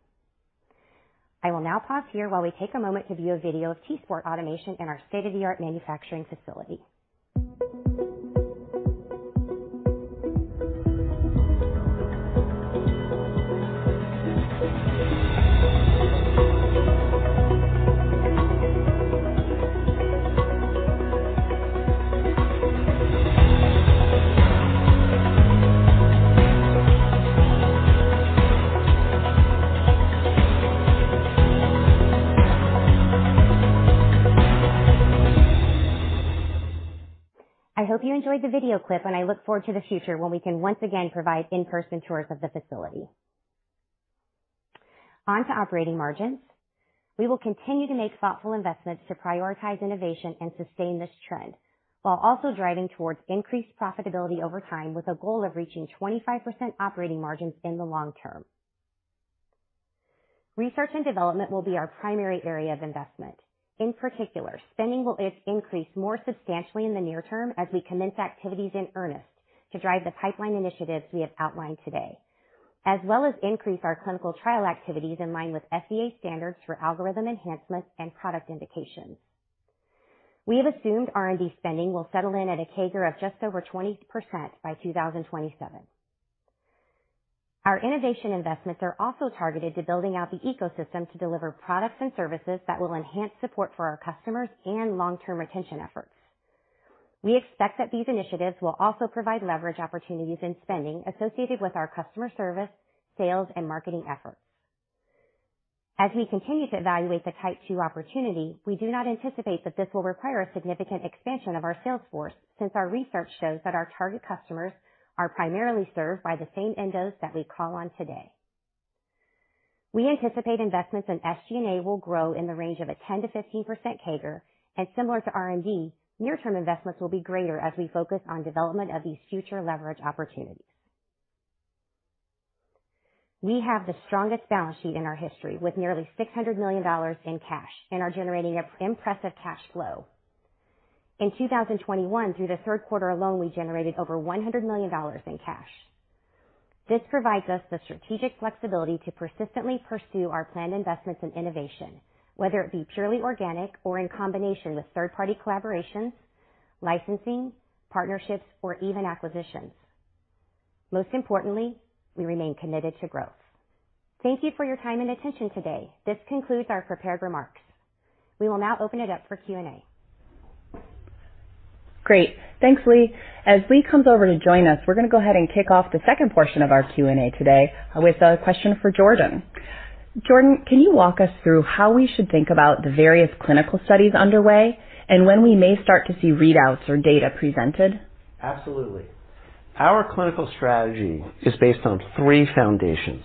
I will now pause here while we take a moment to view a video of t:sport automation in our state-of-the-art manufacturing facility. I hope you enjoyed the video clip, and I look forward to the future when we can once again provide in-person tours of the facility. On to operating margins. We will continue to make thoughtful investments to prioritize innovation and sustain this trend, while also driving towards increased profitability over time with a goal of reaching 25% operating margins in the long term. Research and development will be our primary area of investment. In particular, spending will increase more substantially in the near term as we commence activities in earnest to drive the pipeline initiatives we have outlined today, as well as increase our clinical trial activities in line with FDA standards for algorithm enhancements and product indications. We have assumed R&D spending will settle in at a CAGR of just over 20% by 2027. Our innovation investments are also targeted to building out the ecosystem to deliver products and services that will enhance support for our customers and long-term retention efforts. We expect that these initiatives will also provide leverage opportunities in spending associated with our customer service, sales, and marketing efforts. As we continue to evaluate the type two opportunity, we do not anticipate that this will require a significant expansion of our sales force, since our research shows that our target customers are primarily served by the same endos that we call on today. We anticipate investments in SG&A will grow in the range of a 10%-15% CAGR, and similar to R&D, near-term investments will be greater as we focus on development of these future leverage opportunities. We have the strongest balance sheet in our history, with nearly $600 million in cash, and are generating an impressive cash flow. In 2021, through the Q3 alone, we generated over $100 million in cash. This provides us the strategic flexibility to persistently pursue our planned investments in innovation, whether it be purely organic or in combination with third-party collaborations, licensing, partnerships, or even acquisitions. Most importantly, we remain committed to growth. Thank you for your time and attention today. This concludes our prepared remarks. We will now open it up for Q&A. Great. Thanks, Leigh. As Leigh comes over to join us, we're gonna go ahead and kick off the second portion of our Q&A today with a question for Jordan. Jordan, can you walk us through how we should think about the various clinical studies underway and when we may start to see readouts or data presented? Absolutely. Our clinical strategy is based on three foundations.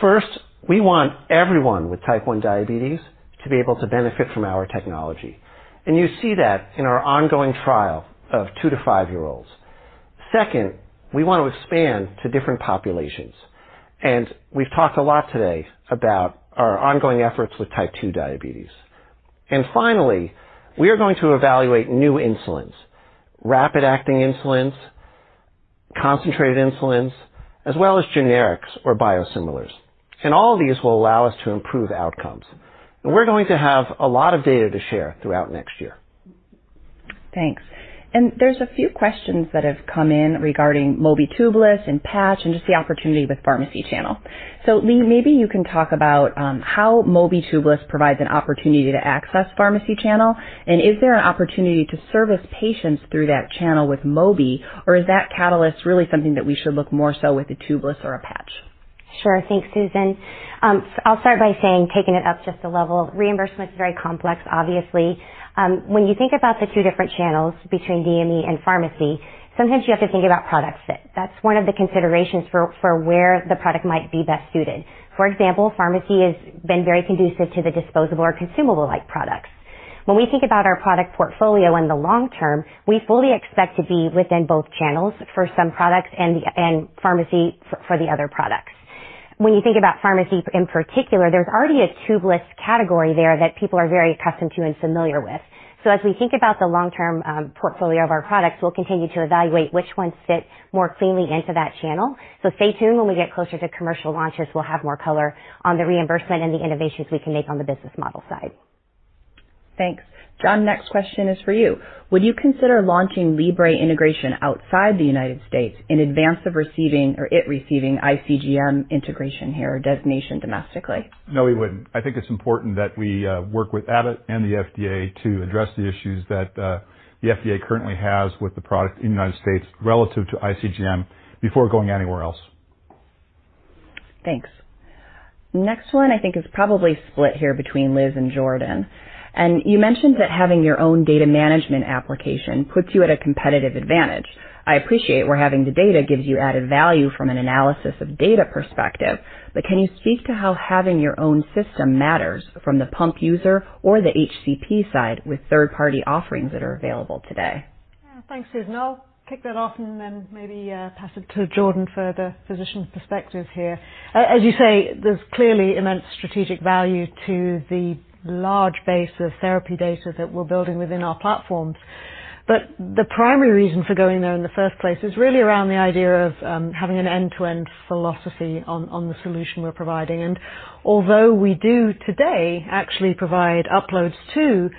First, we want everyone with type 1 diabetes to be able to benefit from our technology. You see that in our ongoing trial of two- to five-year-olds. Second, we want to expand to different populations. We've talked a lot today about our ongoing efforts with type 2 diabetes. Finally, we are going to evaluate new insulins, rapid-acting insulins, concentrated insulins, as well as generics or biosimilars. All of these will allow us to improve outcomes. We're going to have a lot of data to share throughout next year. Thanks. There's a few questions that have come in regarding Mobi Tubeless and patch and just the opportunity with pharmacy channel. Leigh, maybe you can talk about how Mobi Tubeless provides an opportunity to access pharmacy channel. Is there an opportunity to service patients through that channel with Mobi, or is that catalyst really something that we should look more so with a tubeless or a patch? Sure. Thanks, Susan. I'll start by saying, taking it up just a level, reimbursement is very complex, obviously. When you think about the two different channels between DME and pharmacy, sometimes you have to think about product fit. That's one of the considerations for where the product might be best suited. For example, pharmacy has been very conducive to the disposable or consumable-like products. When we think about our product portfolio in the long term, we fully expect to be within both channels for some products and pharmacy for the other products. When you think about pharmacy in particular, there's already a tubeless category there that people are very accustomed to and familiar with. As we think about the long-term portfolio of our products, we'll continue to evaluate which ones fit more cleanly into that channel. Stay tuned when we get closer to commercial launches, we'll have more color on the reimbursement and the innovations we can make on the business model side. Thanks. John, next question is for you. Would you consider launching Libre integration outside the United States in advance of receiving or it receiving iCGM integration here or designation domestically? No, we wouldn't. I think it's important that we work with Abbott and the FDA to address the issues that the FDA currently has with the product in the United States relative to iCGM before going anywhere else. Thanks. Next one I think is probably split here between Liz and Jordan. You mentioned that having your own data management application puts you at a competitive advantage. I appreciate where having the data gives you added value from an analysis of data perspective, but can you speak to how having your own system matters from the pump user or the HCP side with third-party offerings that are available today? Yeah. Thanks, Susan. I'll kick that off and then maybe pass it to Jordan for the physician perspective here. As you say, there's clearly immense strategic value to the large base of therapy data that we're building within our platforms. But the primary reason for going there in the first place is really around the idea of having an end-to-end philosophy on the solution we're providing. Although we do today actually provide uploads to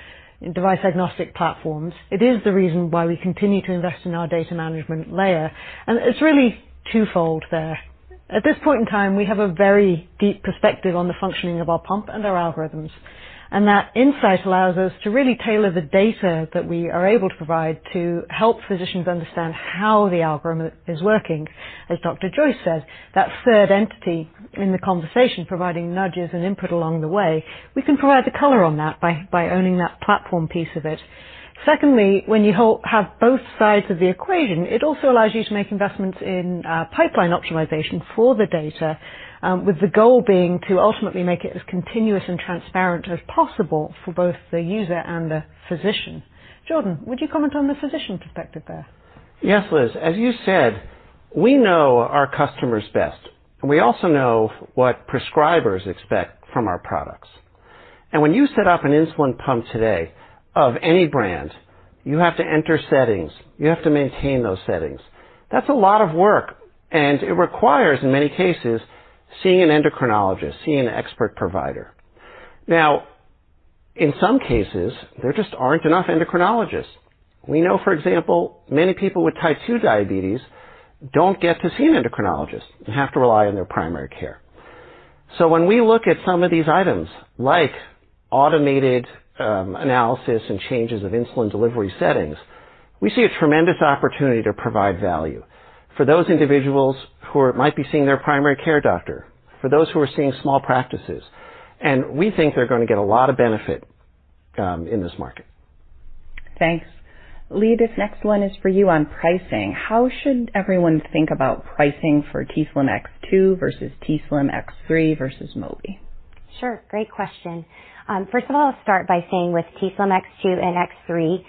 device agnostic platforms, it is the reason why we continue to invest in our data management layer. It's really twofold there. At this point in time, we have a very deep perspective on the functioning of our pump and our algorithms, and that insight allows us to really tailor the data that we are able to provide to help physicians understand how the algorithm is working. As Dr. Joyce said, that third entity in the conversation providing nudges and input along the way, we can provide the color on that by owning that platform piece of it. Secondly, when you have both sides of the equation, it also allows you to make investments in pipeline optimization for the data, with the goal being to ultimately make it as continuous and transparent as possible for both the user and the physician. Jordan, would you comment on the physician perspective there? Yes, Liz. As you said, we know our customers best. We also know what prescribers expect from our products. When you set up an insulin pump today of any brand, you have to enter settings, you have to maintain those settings. That's a lot of work, and it requires, in many cases, seeing an endocrinologist, seeing an expert provider. Now, in some cases, there just aren't enough endocrinologists. We know, for example, many people with type 2 diabetes don't get to see an endocrinologist and have to rely on their primary care. When we look at some of these items, like automated analysis and changes of insulin delivery settings, we see a tremendous opportunity to provide value for those individuals who might be seeing their primary care doctor, for those who are seeing small practices, and we think they're gonna get a lot of benefit in this market. Thanks. Leigh, this next one is for you on pricing. How should everyone think about pricing for t:slim X2 versus t:slim X3 versus Mobi? Sure. Great question. First of all, I'll start by saying with t:slim X2 and X3,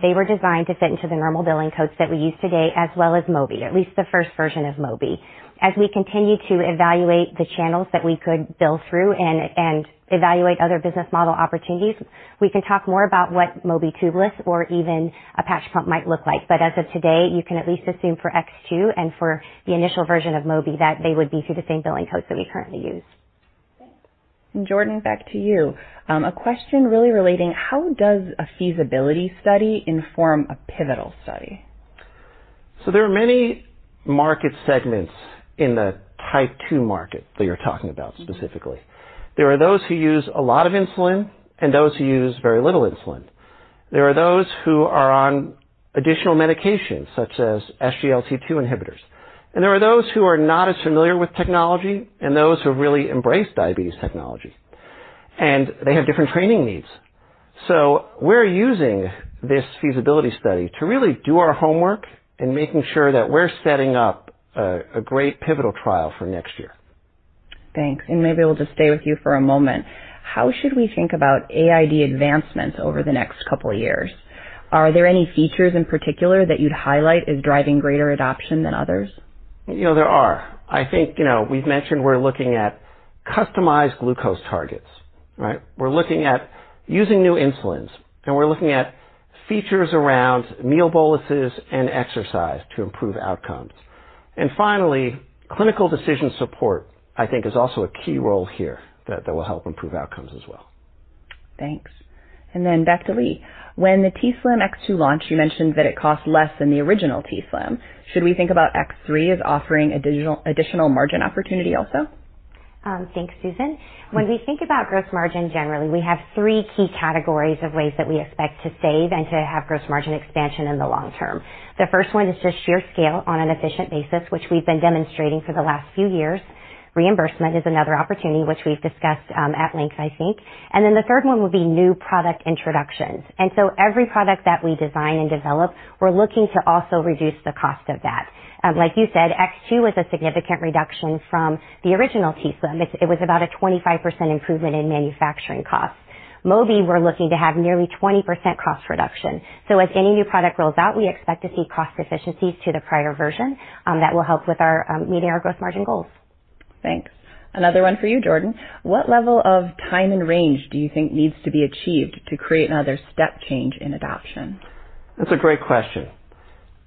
they were designed to fit into the normal billing codes that we use today, as well as Mobi, at least the first version of Mobi. As we continue to evaluate the channels that we could bill through and evaluate other business model opportunities, we can talk more about what Mobi tubeless or even a patch pump might look like. As of today, you can at least assume for X2 and for the initial version of Mobi that they would be through the same billing codes that we currently use. Jordan, back to you. A question really relating, how does a feasibility study inform a pivotal study? There are many market segments in the type two market that you're talking about specifically. There are those who use a lot of insulin and those who use very little insulin. There are those who are on additional medications, such as SGLT2 inhibitors. There are those who are not as familiar with technology and those who have really embraced diabetes technology, and they have different training needs. We're using this feasibility study to really do our homework in making sure that we're setting up a great pivotal trial for next year. Thanks. Maybe we'll just stay with you for a moment. How should we think about AID advancements over the next couple of years? Are there any features in particular that you'd highlight as driving greater adoption than others? You know, there are. I think we've mentioned we're looking at customized glucose targets, right? We're looking at using new insulins, and we're looking at features around meal boluses and exercise to improve outcomes. Finally, clinical decision support, I think, is also a key role here that will help improve outcomes as well. Thanks. Back to Lee. When the t:slim X2 launched, you mentioned that it cost less than the original t:slim. Should we think about X3 as offering additional margin opportunity also? Thanks, Susan. When we think about gross margin, generally, we have three key categories of ways that we expect to save and to have gross margin expansion in the long term. The first one is just sheer scale on an efficient basis, which we've been demonstrating for the last few years. Reimbursement is another opportunity which we've discussed at length, I think. The third one would be new product introductions. Every product that we design and develop, we're looking to also reduce the cost of that. Like you said, X2 is a significant reduction from the original t:slim. It was about a 25% improvement in manufacturing costs. Mobi, we're looking to have nearly 20% cost reduction. As any new product rolls out, we expect to see cost efficiencies to the prior version that will help with our meeting our gross margin goals. Thanks. Another one for you, Jordan. What level of time in range do you think needs to be achieved to create another step change in adoption? That's a great question.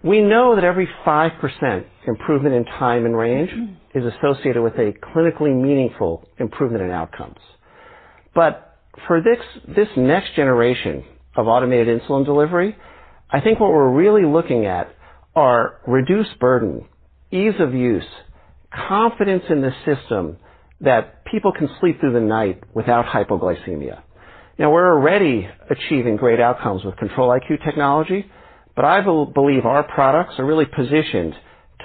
We know that every 5% improvement in time in range is associated with a clinically meaningful improvement in outcomes. For this next generation of automated insulin delivery, I think what we're really looking at are reduced burden, ease of use, confidence in the system that people can sleep through the night without hypoglycemia. Now, we're already achieving great outcomes with Control-IQ technology, but I believe our products are really positioned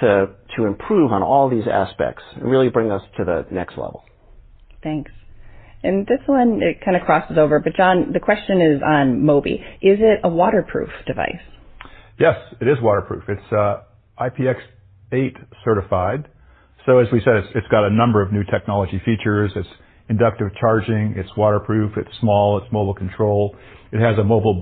to improve on all these aspects and really bring us to the next level. Thanks. This one, it kind of crosses over. John, the question is on Mobi. Is it a waterproof device? Yes, it is waterproof. It's IPX8 certified. As we said, it's got a number of new technology features. It's inductive charging, it's waterproof, it's small, it's mobile control. It has a mobile,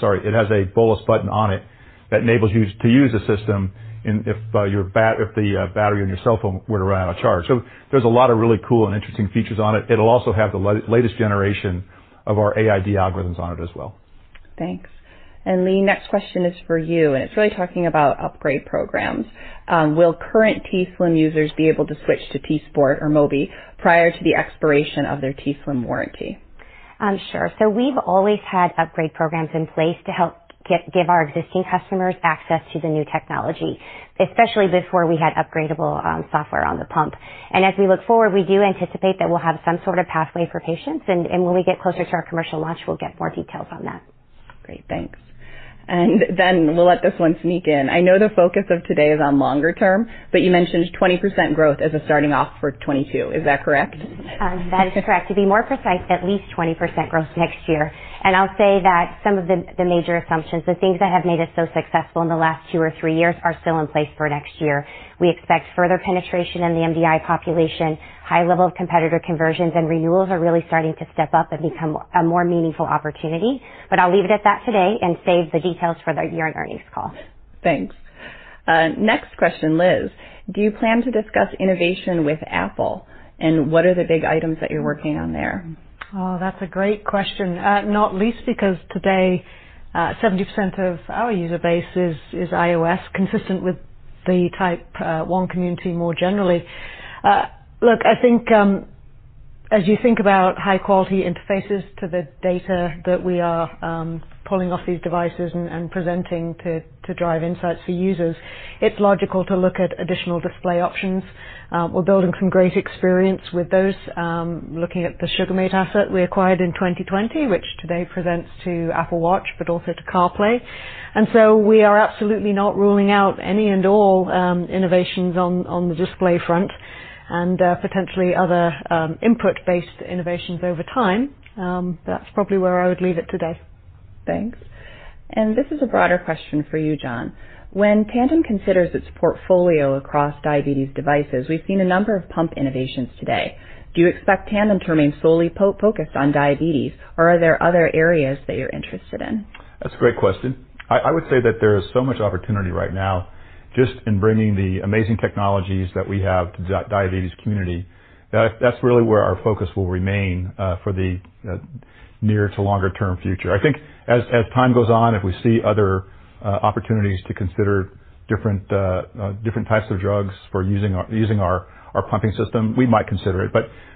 sorry, it has a bolus button on it that enables you to use the system if the battery on your cell phone were to run out of charge. There's a lot of really cool and interesting features on it. It'll also have the latest generation of our AID algorithms on it as well. Thanks. Leigh, next question is for you, and it's really talking about upgrade programs. Will current t:slim users be able to switch to t:sport or Mobi prior to the expiration of their t:slim warranty? Sure. We've always had upgrade programs in place to help give our existing customers access to the new technology, especially before we had upgradable software on the pump. As we look forward, we do anticipate that we'll have some sort of pathway for patients. When we get closer to our commercial launch, we'll get more details on that. Great, thanks. We'll let this one sneak in. I know the focus of today is on longer term, but you mentioned 20% growth as a starting off for 2022. Is that correct? That is correct. To be more precise, at least 20% growth next year. I'll say that some of the major assumptions, the things that have made us so successful in the last two or three years are still in place for next year. We expect further penetration in the MDI population. High level of competitor conversions and renewals are really starting to step up and become a more meaningful opportunity. I'll leave it at that today and save the details for the year-end earnings call. Thanks. Next question, Liz. Do you plan to discuss innovation with Apple? What are the big items that you're working on there? That's a great question. Not least because today, 70% of our user base is iOS consistent with the type one community more generally. Look, I think, as you think about high quality interfaces to the data that we are pulling off these devices and presenting to drive insights for users, it's logical to look at additional display options. We're building some great experience with those, looking at the Sugarmate asset we acquired in 2020, which today presents to Apple Watch but also to CarPlay. We are absolutely not ruling out any and all innovations on the display front and potentially other input-based innovations over time. That's probably where I would leave it today. Thanks. This is a broader question for you, John. When Tandem considers its portfolio across diabetes devices, we've seen a number of pump innovations today. Do you expect Tandem to remain solely focused on diabetes, or are there other areas that you're interested in? That's a great question. I would say that there is so much opportunity right now just in bringing the amazing technologies that we have to diabetes community, that's really where our focus will remain, for the near to longer term future. I think as time goes on, if we see other opportunities to consider different types of drugs for using our pumping system, we might consider it.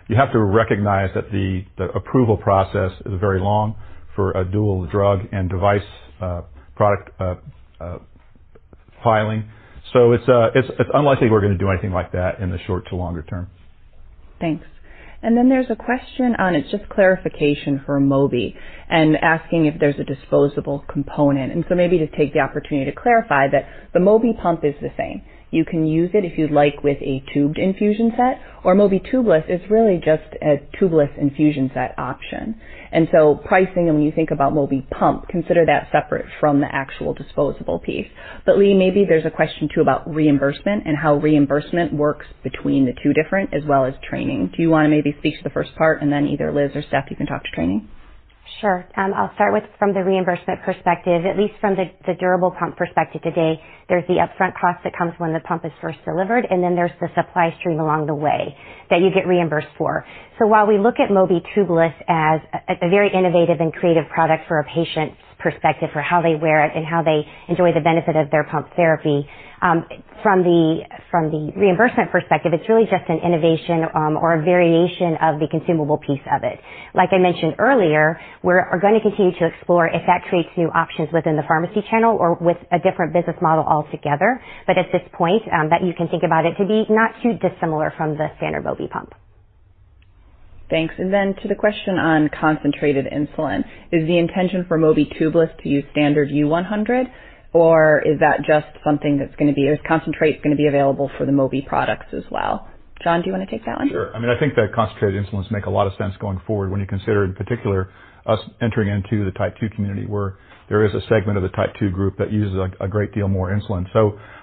You have to recognize that the approval process is very long for a dual drug and device product filing. It's unlikely we're gonna do anything like that in the short to longer term. Thanks. Then there's a question on, it's just clarification for Mobi and asking if there's a disposable component. Maybe just take the opportunity to clarify that the Mobi pump is the same. You can use it if you'd like, with a tubed infusion set or Mobi Tubeless. It's really just a tubeless infusion set option. Pricing when you think about Mobi pump, consider that separate from the actual disposable piece. Leigh, maybe there's a question too about reimbursement and how reimbursement works between the two different as well as training. Do you wanna maybe speak to the first part and then either Liz or Steph, you can talk to training? Sure. I'll start with the reimbursement perspective. At least from the durable pump perspective today, there's the upfront cost that comes when the pump is first delivered, and then there's the supply stream along the way that you get reimbursed for. While we look at Mobi Tubeless as a very innovative and creative product for a patient's perspective, for how they wear it and how they enjoy the benefit of their pump therapy, from the reimbursement perspective, it's really just an innovation or a variation of the consumable piece of it. Like I mentioned earlier, we're going to continue to explore if that creates new options within the pharmacy channel or with a different business model altogether. At this point, you can think about it to be not too dissimilar from the standard Mobi pump. Thanks. Then to the question on concentrated insulin, is the intention for Mobi Tubeless to use standard U-100, or is that just something that's gonna be. Is concentrated gonna be available for the Mobi products as well? John, do you wanna take that one? Sure. I mean, I think that concentrated insulins make a lot of sense going forward when you consider in particular us entering into the type 2 community, where there is a segment of the type 2 group that uses a great deal more insulin.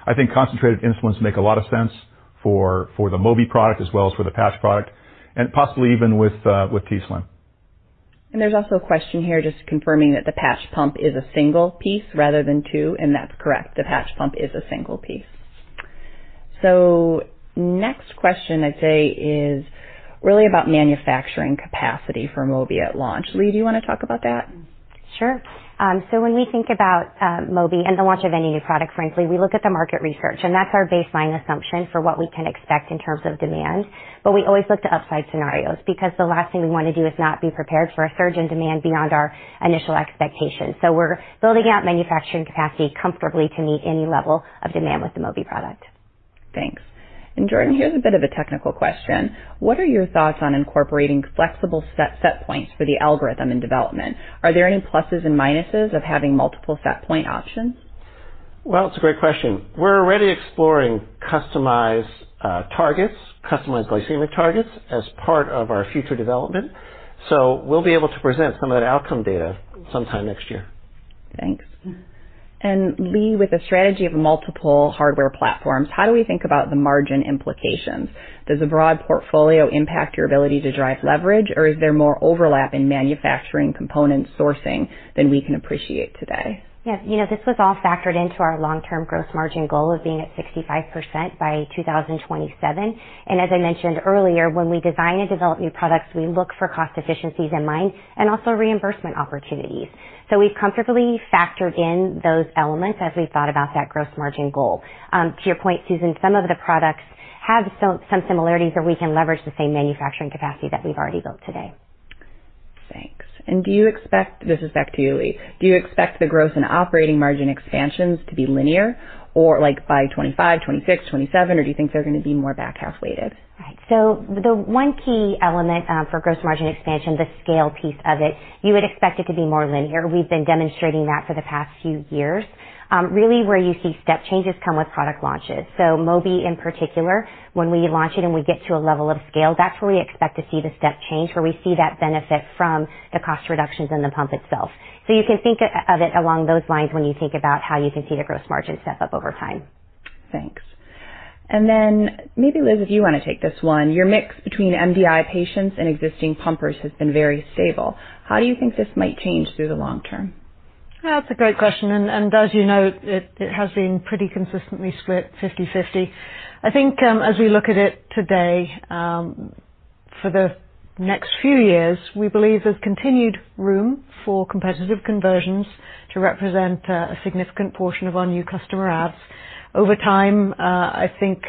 I think concentrated insulins make a lot of sense for the Mobi product as well as for the patch product, and possibly even with t:slim. There's also a question here just confirming that the patch pump is a single piece rather than two, and that's correct. The patch pump is a single piece. Next question I'd say is really about manufacturing capacity for Mobi at launch. Leigh, do you wanna talk about that? Sure. When we think about Mobi and the launch of any new product, frankly, we look at the market research. That's our baseline assumption for what we can expect in terms of demand. We always look to upside scenarios because the last thing we wanna do is not be prepared for a surge in demand beyond our initial expectations. We're building out manufacturing capacity comfortably to meet any level of demand with the Mobi product. Thanks. Jordan, here's a bit of a technical question: What are your thoughts on incorporating flexible set points for the algorithm in development? Are there any pluses and minuses of having multiple set point options? Well, it's a great question. We're already exploring customized targets, customized glycemic targets as part of our future development. We'll be able to present some of that outcome data sometime next year. Thanks. Leigh, with a strategy of multiple hardware platforms, how do we think about the margin implications? Does a broad portfolio impact your ability to drive leverage, or is there more overlap in manufacturing component sourcing than we can appreciate today? Yes. You know, this was all factored into our long-term gross margin goal of being at 65% by 2027. As I mentioned earlier, when we design and develop new products, we look for cost efficiencies in mind and also reimbursement opportunities. We've comfortably factored in those elements as we've thought about that gross margin goal. To your point, Susan, some of the products have some similarities where we can leverage the same manufacturing capacity that we've already built today. Thanks. This is back to you, Joyce Lee. Do you expect the gross and operating margin expansions to be linear or like by 2025, 2026, 2027, or do you think they're gonna be more back half weighted? Right. The one key element, for gross margin expansion, the scale piece of it, you would expect it to be more linear. We've been demonstrating that for the past few years. Really where you see step changes come with product launches. Mobi in particular, when we launch it and we get to a level of scale, that's where we expect to see the step change, where we see that benefit from the cost reductions in the pump itself. You can think of it along those lines when you think about how you can see the gross margin step up over time. Thanks. Maybe, Liz, if you wanna take this one. Your mix between MDI patients and existing pumpers has been very stable. How do you think this might change through the long term? That's a great question. As you know, it has been pretty consistently split 50/50. I think, as we look at it today, for the next few years, we believe there's continued room for competitive conversions to represent a significant portion of our new customer adds. Over time, I think,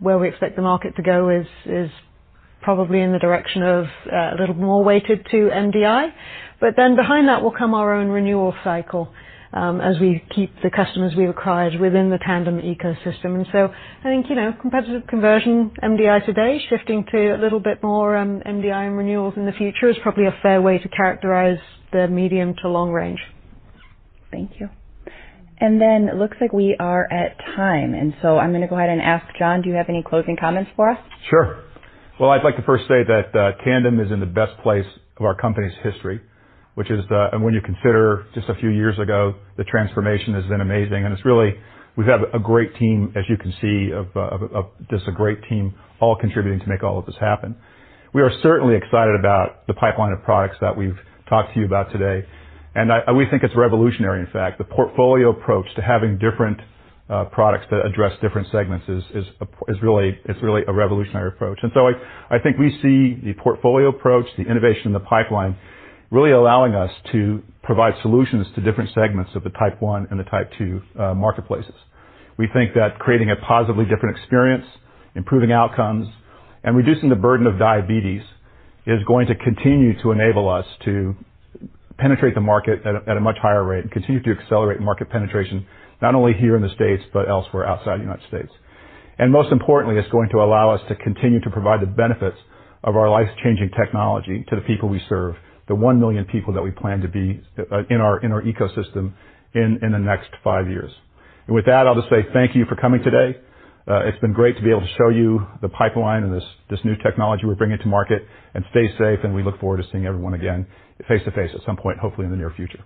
where we expect the market to go is probably in the direction of a little more weighted to MDI. Behind that will come our own renewal cycle, as we keep the customers we've acquired within the Tandem ecosystem. I think competitive conversion MDI today, shifting to a little bit more MDI and renewals in the future is probably a fair way to characterize the medium to long range. Thank you. Looks like we are at time. I'm gonna go ahead and ask, John, do you have any closing comments for us? Sure. Well, I'd like to first say that Tandem is in the best place of our company's history, which is, and when you consider just a few years ago, the transformation has been amazing. It's really, we've had a great team, as you can see, of just a great team all contributing to make all of this happen. We are certainly excited about the pipeline of products that we've talked to you about today. I, we think it's revolutionary, in fact. The portfolio approach to having different products that address different segments is really a revolutionary approach. I think we see the portfolio approach, the innovation in the pipeline, really allowing us to provide solutions to different segments of the type 1 and the type 2 marketplaces. We think that creating a positively different experience, improving outcomes, and reducing the burden of diabetes is going to continue to enable us to penetrate the market at a much higher rate and continue to accelerate market penetration, not only here in the States, but elsewhere outside the United States. Most importantly, it's going to allow us to continue to provide the benefits of our life-changing technology to the people we serve, the 1 million people that we plan to be in our ecosystem in the next five years. With that, I'll just say thank you for coming today. It's been great to be able to show you the pipeline and this new technology we're bringing to market, and stay safe, and we look forward to seeing everyone again face to face at some point, hopefully in the near future.